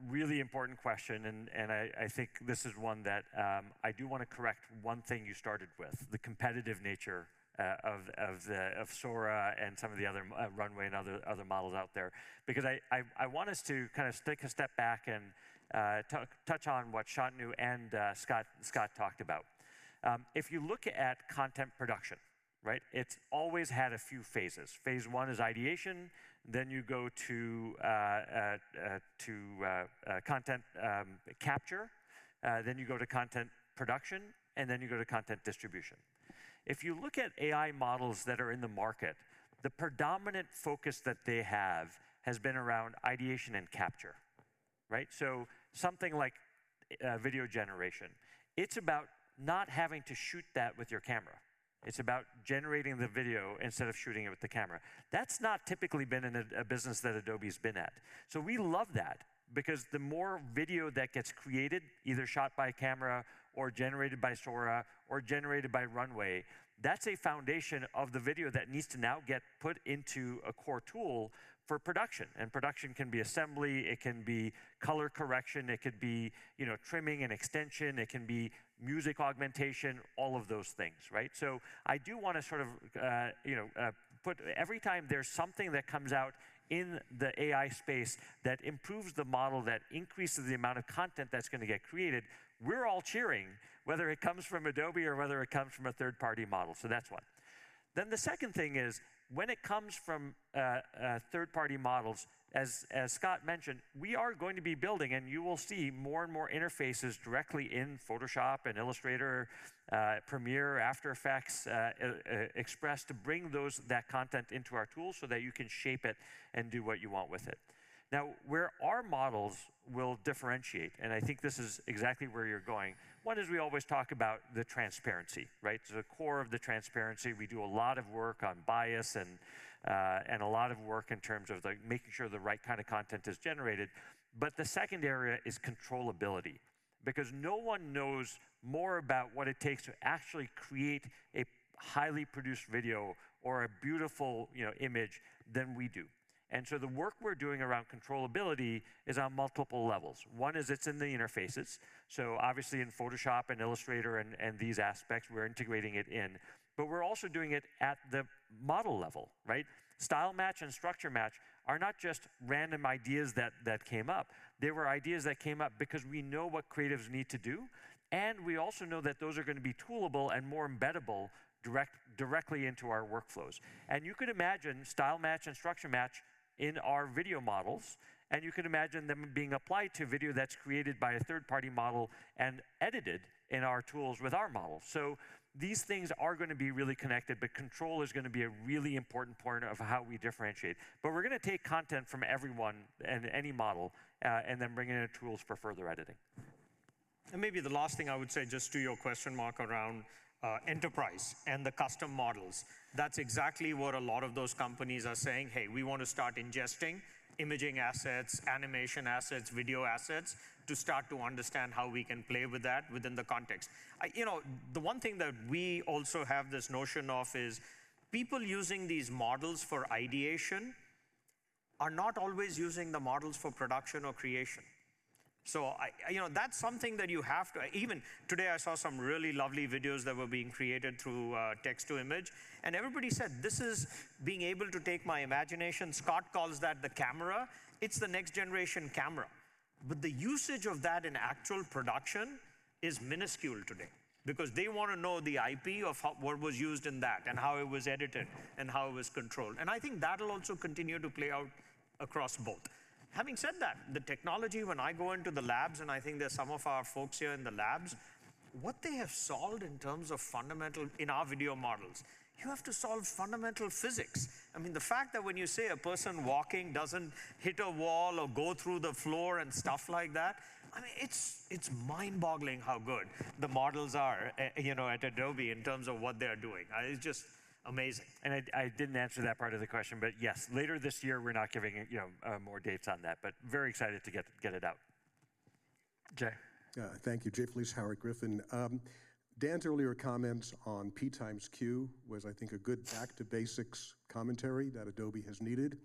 Really important question. And I think this is one that I do want to correct one thing you started with, the competitive nature of Sora and some of the other Runway and other models out there because I want us to kind of take a step back and touch on what Shantanu and Scott talked about. If you look at content production, it's always had a few phases. Phase one is ideation. Then you go to content capture. Then you go to content production. And then you go to content distribution. If you look at AI models that are in the market, the predominant focus that they have has been around ideation and capture, right? So something like video generation, it's about not having to shoot that with your camera. It's about generating the video instead of shooting it with the camera. That's not typically been in a business that Adobe's been at. So we love that because the more video that gets created, either shot by a camera or generated by Sora or generated by Runway, that's a foundation of the video that needs to now get put into a core tool for production. And production can be assembly. It can be color correction. It could be trimming and extension. It can be music augmentation, all of those things, right? So I do want to sort of put every time there's something that comes out in the AI space that improves the model, that increases the amount of content that's going to get created, we're all cheering, whether it comes from Adobe or whether it comes from a third-party model. So that's one. Then the second thing is, when it comes from third-party models, as Scott mentioned, we are going to be building, and you will see more and more interfaces directly in Photoshop and Illustrator, Premiere, After Effects, Express to bring that content into our tools so that you can shape it and do what you want with it. Now, where our models will differentiate, and I think this is exactly where you're going, one is we always talk about the transparency, right? So the core of the transparency, we do a lot of work on bias and a lot of work in terms of making sure the right kind of content is generated. But the second area is controllability because no one knows more about what it takes to actually create a highly produced video or a beautiful image than we do. The work we're doing around controllability is on multiple levels. One is it's in the interfaces. Obviously, in Photoshop and Illustrator and these aspects, we're integrating it in. But we're also doing it at the model level, right? Style match and structure match are not just random ideas that came up. They were ideas that came up because we know what creatives need to do. We also know that those are going to be toolable and more embeddable directly into our workflows. You could imagine style match and structure match in our video models. You could imagine them being applied to video that's created by a third-party model and edited in our tools with our models. These things are going to be really connected. But control is going to be a really important part of how we differentiate. But we're going to take content from everyone and any model and then bring it into tools for further editing. And maybe the last thing I would say, just to your question mark around enterprise and the custom models, that's exactly what a lot of those companies are saying, "Hey, we want to start ingesting imaging assets, animation assets, video assets to start to understand how we can play with that within the context." The one thing that we also have this notion of is people using these models for ideation are not always using the models for production or creation. So that's something that you have to even today, I saw some really lovely videos that were being created through text-to-image. And everybody said, "This is being able to take my imagination." Scott calls that the camera. It's the next generation camera. But the usage of that in actual production is minuscule today because they want to know the IP of what was used in that and how it was edited and how it was controlled. And I think that will also continue to play out across both. Having said that, the technology, when I go into the labs, and I think there's some of our folks here in the labs, what they have solved in terms of fundamental in our video models, you have to solve fundamental physics. I mean, the fact that when you say a person walking doesn't hit a wall or go through the floor and stuff like that, I mean, it's mind-boggling how good the models are at Adobe in terms of what they're doing. It's just amazing. And I didn't answer that part of the question. But yes, later this year, we're not giving more dates on that. But very excited to get it out. Jay. Thank you. Jay Vleeschhouwer, Griffin Securities. Dan's earlier comments on p times q was, I think, a good back-to-basics commentary that Adobe has needed.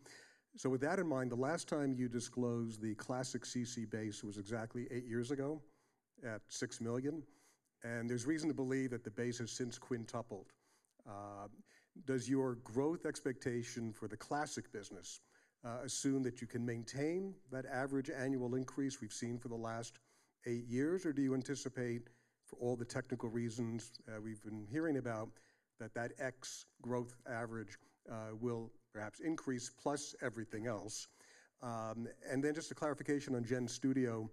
So with that in mind, the last time you disclosed the classic CC base was exactly eight years ago at 6 million. And there's reason to believe that the base has since quintupled. Does your growth expectation for the classic business assume that you can maintain that average annual increase we've seen for the last eight years? Or do you anticipate, for all the technical reasons we've been hearing about, that that 5x growth average will perhaps increase plus everything else? And then just a clarification on GenStudio.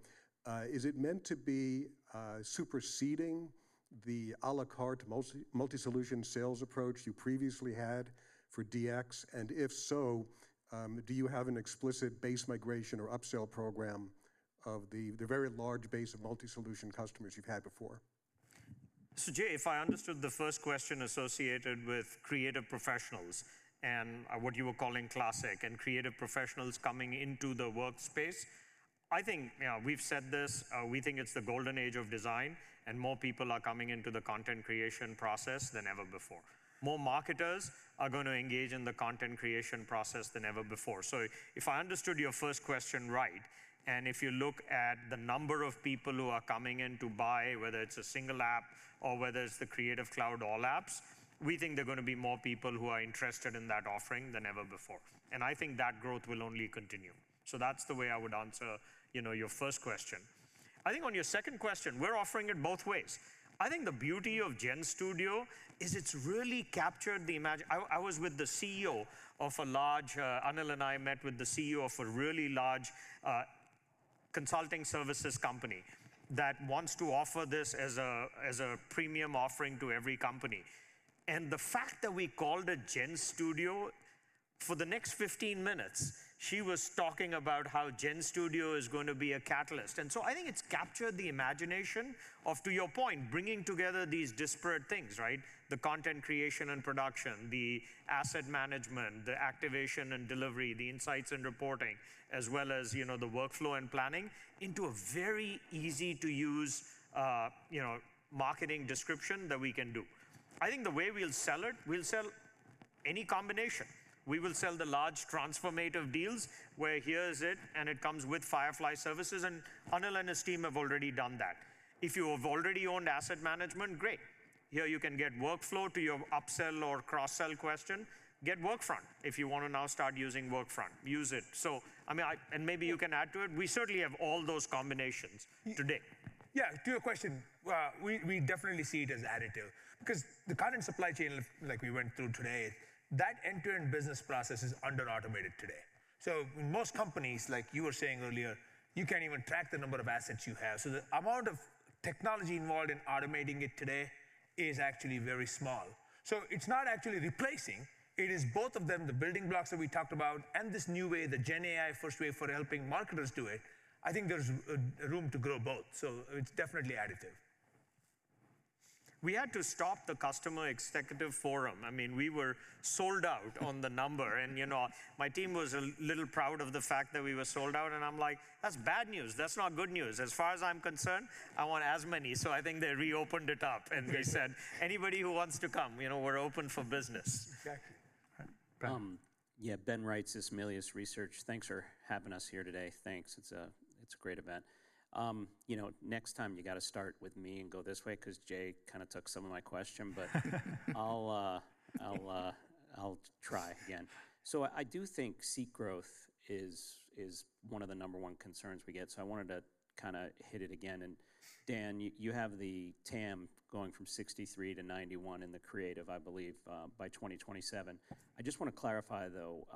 Is it meant to be superseding the à la carte multi-solution sales approach you previously had for DX? If so, do you have an explicit base migration or upsell program of the very large base of multi-solution customers you've had before? So Jay, if I understood the first question associated with creative professionals and what you were calling classic and creative professionals coming into the workspace, I think we've said this. We think it's the golden age of design. And more people are coming into the content creation process than ever before. More marketers are going to engage in the content creation process than ever before. So if I understood your first question right, and if you look at the number of people who are coming in to buy, whether it's a single app or whether it's the Creative Cloud All Apps, we think there are going to be more people who are interested in that offering than ever before. And I think that growth will only continue. So that's the way I would answer your first question. I think on your second question, we're offering it both ways. I think the beauty of GenStudio is it's really captured the image. I was with the CEO of a large Anil and I met with the CEO of a really large consulting services company that wants to offer this as a premium offering to every company. And the fact that we called it GenStudio, for the next 15 minutes, she was talking about how GenStudio is going to be a catalyst. And so I think it's captured the imagination of, to your point, bringing together these disparate things, right? The content creation and production, the asset management, the activation and delivery, the insights and reporting, as well as the workflow and planning into a very easy-to-use marketing description that we can do. I think the way we'll sell it, we'll sell any combination. We will sell the large transformative deals where here it is, and it comes with Firefly services. Anil and his team have already done that. If you have already owned asset management, great. Here, you can get workflow to your upsell or cross-sell question. Get Workfront if you want to now start using Workfront. Use it. Maybe you can add to it. We certainly have all those combinations today. Yeah. To your question, we definitely see it as additive because the current supply chain like we went through today, that end-to-end business process is under-automated today. So in most companies, like you were saying earlier, you can't even track the number of assets you have. So the amount of technology involved in automating it today is actually very small. So it's not actually replacing. It is both of them, the building blocks that we talked about and this new way, the Gen AI first way for helping marketers do it. I think there's room to grow both. So it's definitely additive. We had to stop the Customer Executive Forum. I mean, we were sold out on the number. And my team was a little proud of the fact that we were sold out. And I'm like, that's bad news. That's not good news. As far as I'm concerned, I want as many. So I think they reopened it up. And they said, "Anybody who wants to come, we're open for business. Exactly. Yeah. Ben Reitzes, Melius Research. Thanks for having us here today. Thanks. It's a great event. Next time, you got to start with me and go this way because Jay kind of took some of my question. But I'll try again. So I do think seat growth is one of the number one concerns we get. So I wanted to kind of hit it again. And Dan, you have the TAM going from 63-91 in the creative, I believe, by 2027. I just want to clarify, though.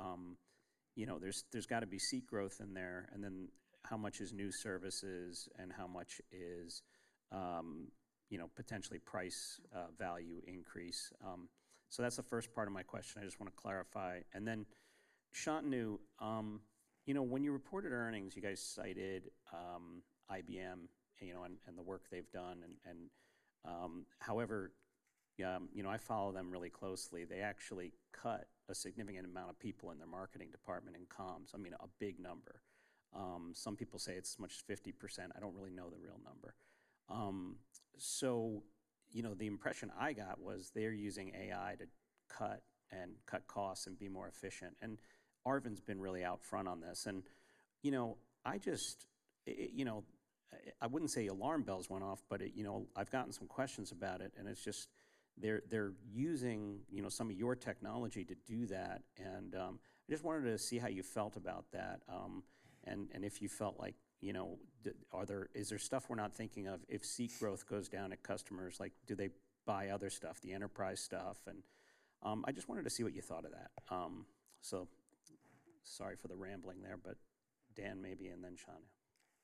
There's got to be seat growth in there. And then how much is new services and how much is potentially price-value increase? So that's the first part of my question. I just want to clarify. And then Shantanu, when you reported earnings, you guys cited IBM and the work they've done. And however, I follow them really closely. They actually cut a significant amount of people in their marketing department in comms, I mean, a big number. Some people say it's as much as 50%. I don't really know the real number. So the impression I got was they're using AI to cut and cut costs and be more efficient. And Anil's been really out front on this. And I just I wouldn't say alarm bells went off. But I've gotten some questions about it. And it's just they're using some of your technology to do that. And I just wanted to see how you felt about that and if you felt like is there stuff we're not thinking of if seat growth goes down at customers? Do they buy other stuff, the enterprise stuff? And I just wanted to see what you thought of that. So sorry for the rambling there. But Dan, maybe, and then Shantanu.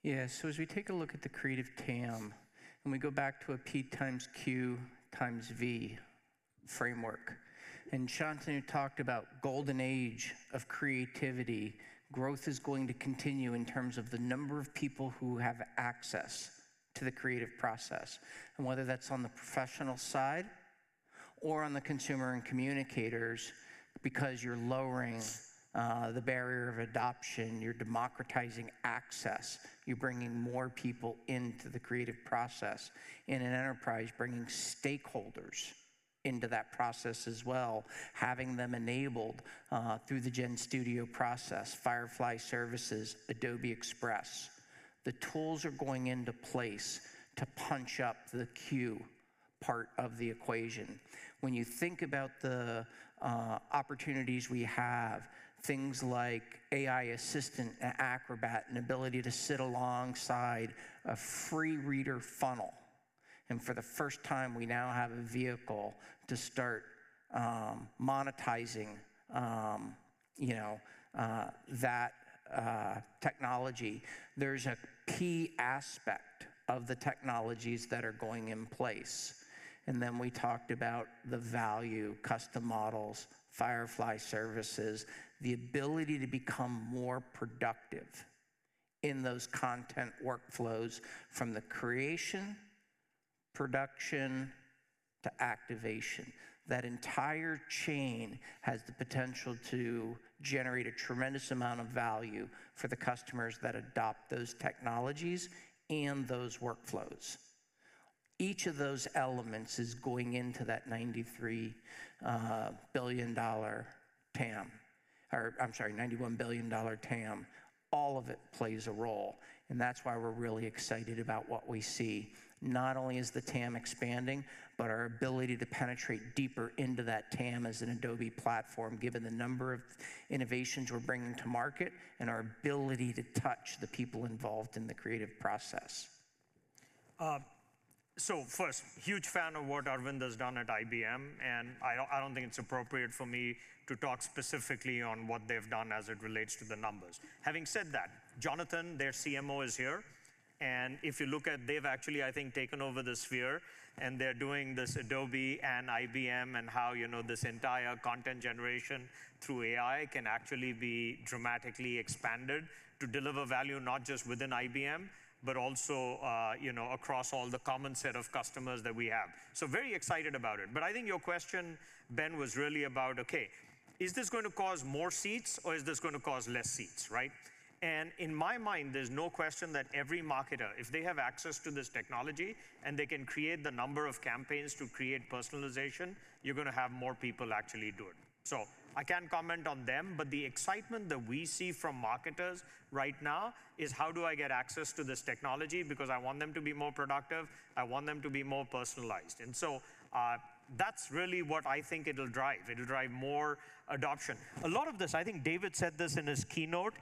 Yeah. So as we take a look at the Creative TAM and we go back to a p times q times v framework, and Shantanu talked about golden age of creativity, growth is going to continue in terms of the number of people who have access to the creative process and whether that's on the professional side or on the consumer and communicators because you're lowering the barrier of adoption. You're democratizing access. You're bringing more people into the creative process in an enterprise, bringing stakeholders into that process as well, having them enabled through the GenStudio process, Firefly services, Adobe Express. The tools are going into place to punch up the Q part of the equation. When you think about the opportunities we have, things like AI assistant and Acrobat and ability to sit alongside a free Reader funnel. For the first time, we now have a vehicle to start monetizing that technology. There's a key aspect of the technologies that are going in place. And then we talked about the value, Custom Models, Firefly Services, the ability to become more productive in those content workflows from the creation, production, to activation. That entire chain has the potential to generate a tremendous amount of value for the customers that adopt those technologies and those workflows. Each of those elements is going into that $93 billion TAM or I'm sorry, $91 billion TAM. All of it plays a role. And that's why we're really excited about what we see. Not only is the TAM expanding, but our ability to penetrate deeper into that TAM as an Adobe platform, given the number of innovations we're bringing to market and our ability to touch the people involved in the creative process. So first, huge fan of what Arvind has done at IBM. And I don't think it's appropriate for me to talk specifically on what they've done as it relates to the numbers. Having said that, Jonathan, their CMO is here. And if you look, they've actually, I think, taken over the Sphere. And they're doing this Adobe and IBM and how this entire content generation through AI can actually be dramatically expanded to deliver value not just within IBM but also across all the common set of customers that we have. So very excited about it. But I think your question, Ben, was really about, OK, is this going to cause more seats, or is this going to cause less seats, right? In my mind, there's no question that every marketer, if they have access to this technology and they can create the number of campaigns to create personalization, you're going to have more people actually do it. So I can't comment on them. But the excitement that we see from marketers right now is, how do I get access to this technology? Because I want them to be more productive. I want them to be more personalized. And so that's really what I think it'll drive. It'll drive more adoption. A lot of this, I think David said this in his keynote.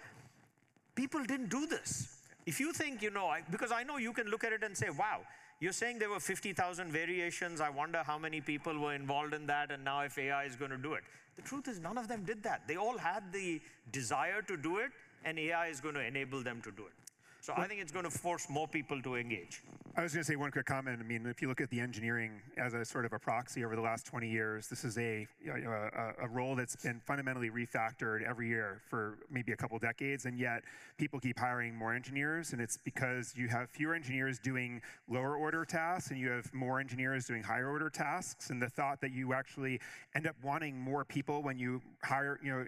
People didn't do this. If you think, because I know you can look at it and say, "Wow, you're saying there were 50,000 variations." I wonder how many people were involved in that. And now, if AI is going to do it, the truth is none of them did that. They all had the desire to do it. And AI is going to enable them to do it. So I think it's going to force more people to engage. I was going to say one quick comment. I mean, if you look at the engineering as a sort of a proxy over the last 20 years, this is a role that's been fundamentally refactored every year for maybe a couple of decades. And yet, people keep hiring more engineers. And it's because you have fewer engineers doing lower-order tasks, and you have more engineers doing higher-order tasks. And the thought that you actually end up wanting more people when you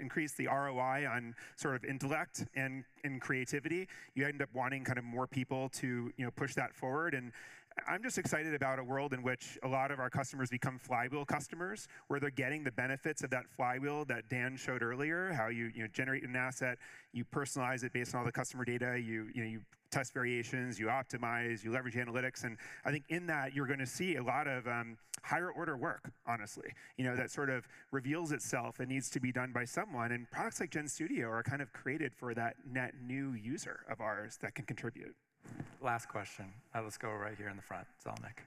increase the ROI on sort of intellect and creativity, you end up wanting kind of more people to push that forward. And I'm just excited about a world in which a lot of our customers become flywheel customers, where they're getting the benefits of that flywheel that Dan showed earlier, how you generate an asset. You personalize it based on all the customer data. You test variations. You optimize. You leverage analytics. I think in that, you're going to see a lot of higher-order work, honestly, that sort of reveals itself and needs to be done by someone. Products like GenStudio are kind of created for that net new user of ours that can contribute. Last question. Let's go right here in the front. Zelnick.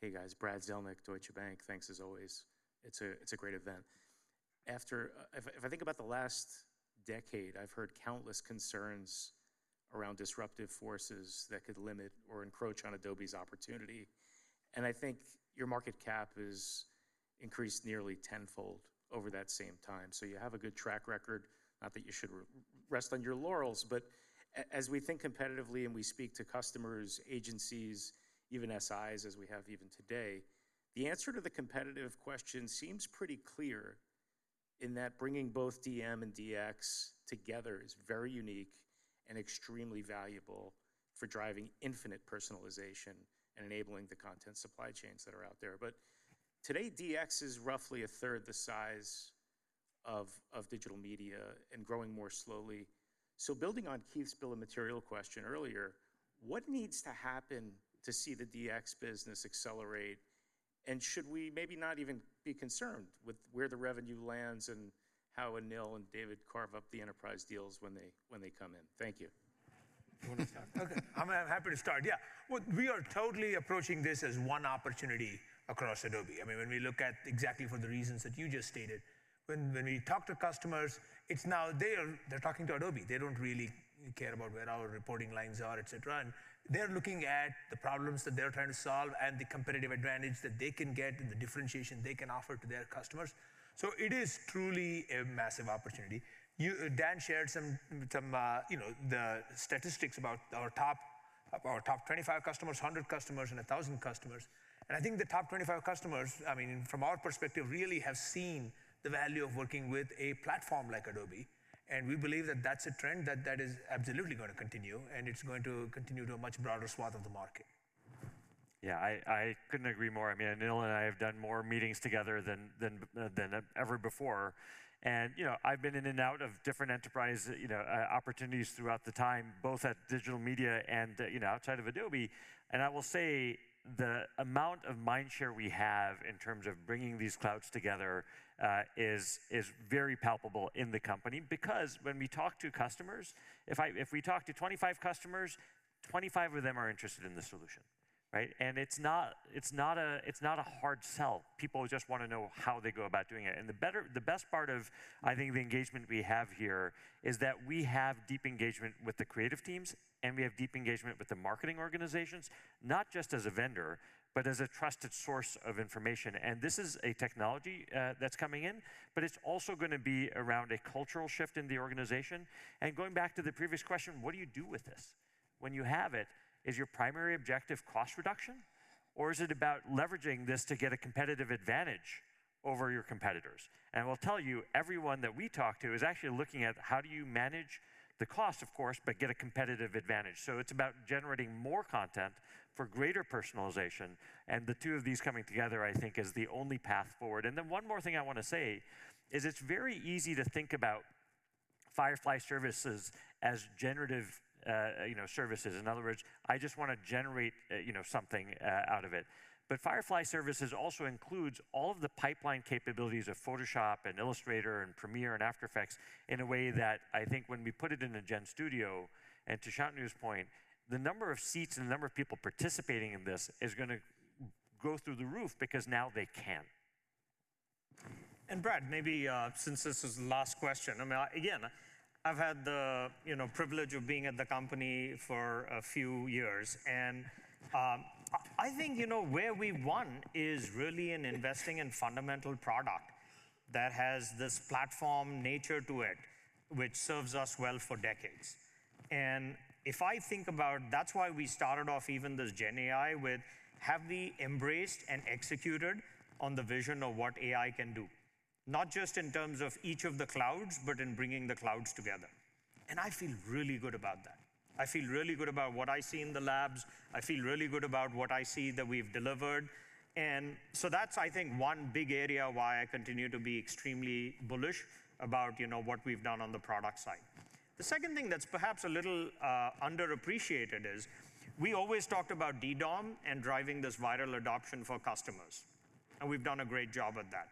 Hey, guys. Brad Zelnick, Deutsche Bank. Thanks, as always. It's a great event. If I think about the last decade, I've heard countless concerns around disruptive forces that could limit or encroach on Adobe's opportunity. I think your market cap has increased nearly tenfold over that same time. You have a good track record. Not that you should rest on your laurels. As we think competitively and we speak to customers, agencies, even SIs, as we have even today, the answer to the competitive question seems pretty clear in that bringing both DM and DX together is very unique and extremely valuable for driving infinite personalization and enabling the content supply chains that are out there. Today, DX is roughly a third the size of digital media and growing more slowly. So building on Keith's bill of material question earlier, what needs to happen to see the DX business accelerate? And should we maybe not even be concerned with where the revenue lands and how Anil and David carve up the enterprise deals when they come in? Thank you. You want to start? OK. I'm happy to start. Yeah. We are totally approaching this as one opportunity across Adobe. I mean, when we look at exactly for the reasons that you just stated, when we talk to customers, it's now they're talking to Adobe. They don't really care about where our reporting lines are, et cetera. And they're looking at the problems that they're trying to solve and the competitive advantage that they can get and the differentiation they can offer to their customers. So it is truly a massive opportunity. Dan shared some of the statistics about our top 25 customers, 100 customers, and 1,000 customers. And I think the top 25 customers, I mean, from our perspective, really have seen the value of working with a platform like Adobe. And we believe that that's a trend that is absolutely going to continue. It's going to continue to a much broader swath of the market. Yeah. I couldn't agree more. I mean, Anil and I have done more meetings together than ever before. And I've been in and out of different enterprise opportunities throughout the time, both at digital media and outside of Adobe. And I will say the amount of mindshare we have in terms of bringing these clouds together is very palpable in the company because when we talk to customers, if we talk to 25 customers, 25 of them are interested in the solution, right? And it's not a hard sell. People just want to know how they go about doing it. And the best part of, I think, the engagement we have here is that we have deep engagement with the creative teams. And we have deep engagement with the marketing organizations, not just as a vendor but as a trusted source of information. This is a technology that's coming in. But it's also going to be around a cultural shift in the organization. Going back to the previous question, what do you do with this? When you have it, is your primary objective cost reduction? Or is it about leveraging this to get a competitive advantage over your competitors? And I will tell you, everyone that we talk to is actually looking at, how do you manage the cost, of course, but get a competitive advantage? So it's about generating more content for greater personalization. And the two of these coming together, I think, is the only path forward. And then one more thing I want to say is it's very easy to think about Firefly Services as generative services. In other words, I just want to generate something out of it. But Firefly Services also includes all of the pipeline capabilities of Photoshop and Illustrator and Premiere and After Effects in a way that I think when we put it in a GenStudio and to Shantanu's point, the number of seats and the number of people participating in this is going to go through the roof because now they can. And Brad, maybe since this is the last question, I mean, again, I've had the privilege of being at the company for a few years. And I think where we won is really in investing in fundamental product that has this platform nature to it, which serves us well for decades. And if I think about that's why we started off even this Gen AI with, have we embraced and executed on the vision of what AI can do, not just in terms of each of the clouds but in bringing the clouds together? And I feel really good about that. I feel really good about what I see in the labs. I feel really good about what I see that we've delivered. And so that's, I think, one big area why I continue to be extremely bullish about what we've done on the product side. The second thing that's perhaps a little underappreciated is we always talked about DDOM and driving this viral adoption for customers. We've done a great job at that.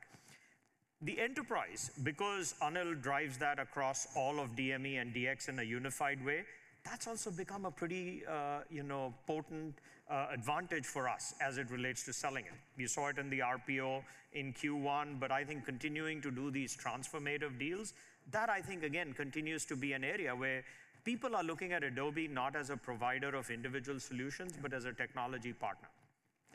The enterprise, because Anil drives that across all of DME and DX in a unified way, that's also become a pretty potent advantage for us as it relates to selling it. You saw it in the RPO in Q1. I think continuing to do these transformative deals, that, I think, again, continues to be an area where people are looking at Adobe not as a provider of individual solutions but as a technology partner.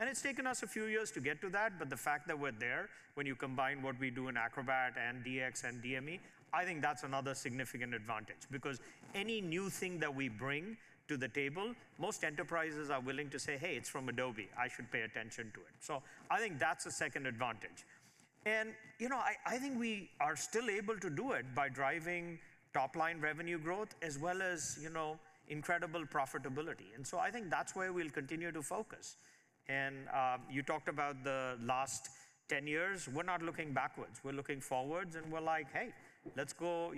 It's taken us a few years to get to that. But the fact that we're there, when you combine what we do in Acrobat and DX and DME, I think that's another significant advantage because any new thing that we bring to the table, most enterprises are willing to say, hey, it's from Adobe. I should pay attention to it. So I think that's a second advantage. And I think we are still able to do it by driving top-line revenue growth as well as incredible profitability. And so I think that's where we'll continue to focus. And you talked about the last 10 years. We're not looking backwards. We're looking forwards. And we're like, hey, let's go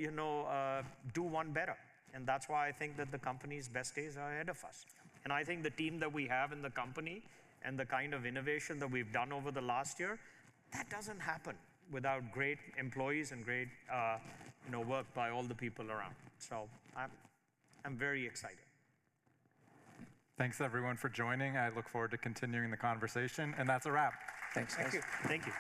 do one better. And that's why I think that the company's best days are ahead of us. I think the team that we have in the company and the kind of innovation that we've done over the last year, that doesn't happen without great employees and great work by all the people around. I'm very excited. Thanks, everyone, for joining. I look forward to continuing the conversation. That's a wrap. Thanks, guys. Thank you.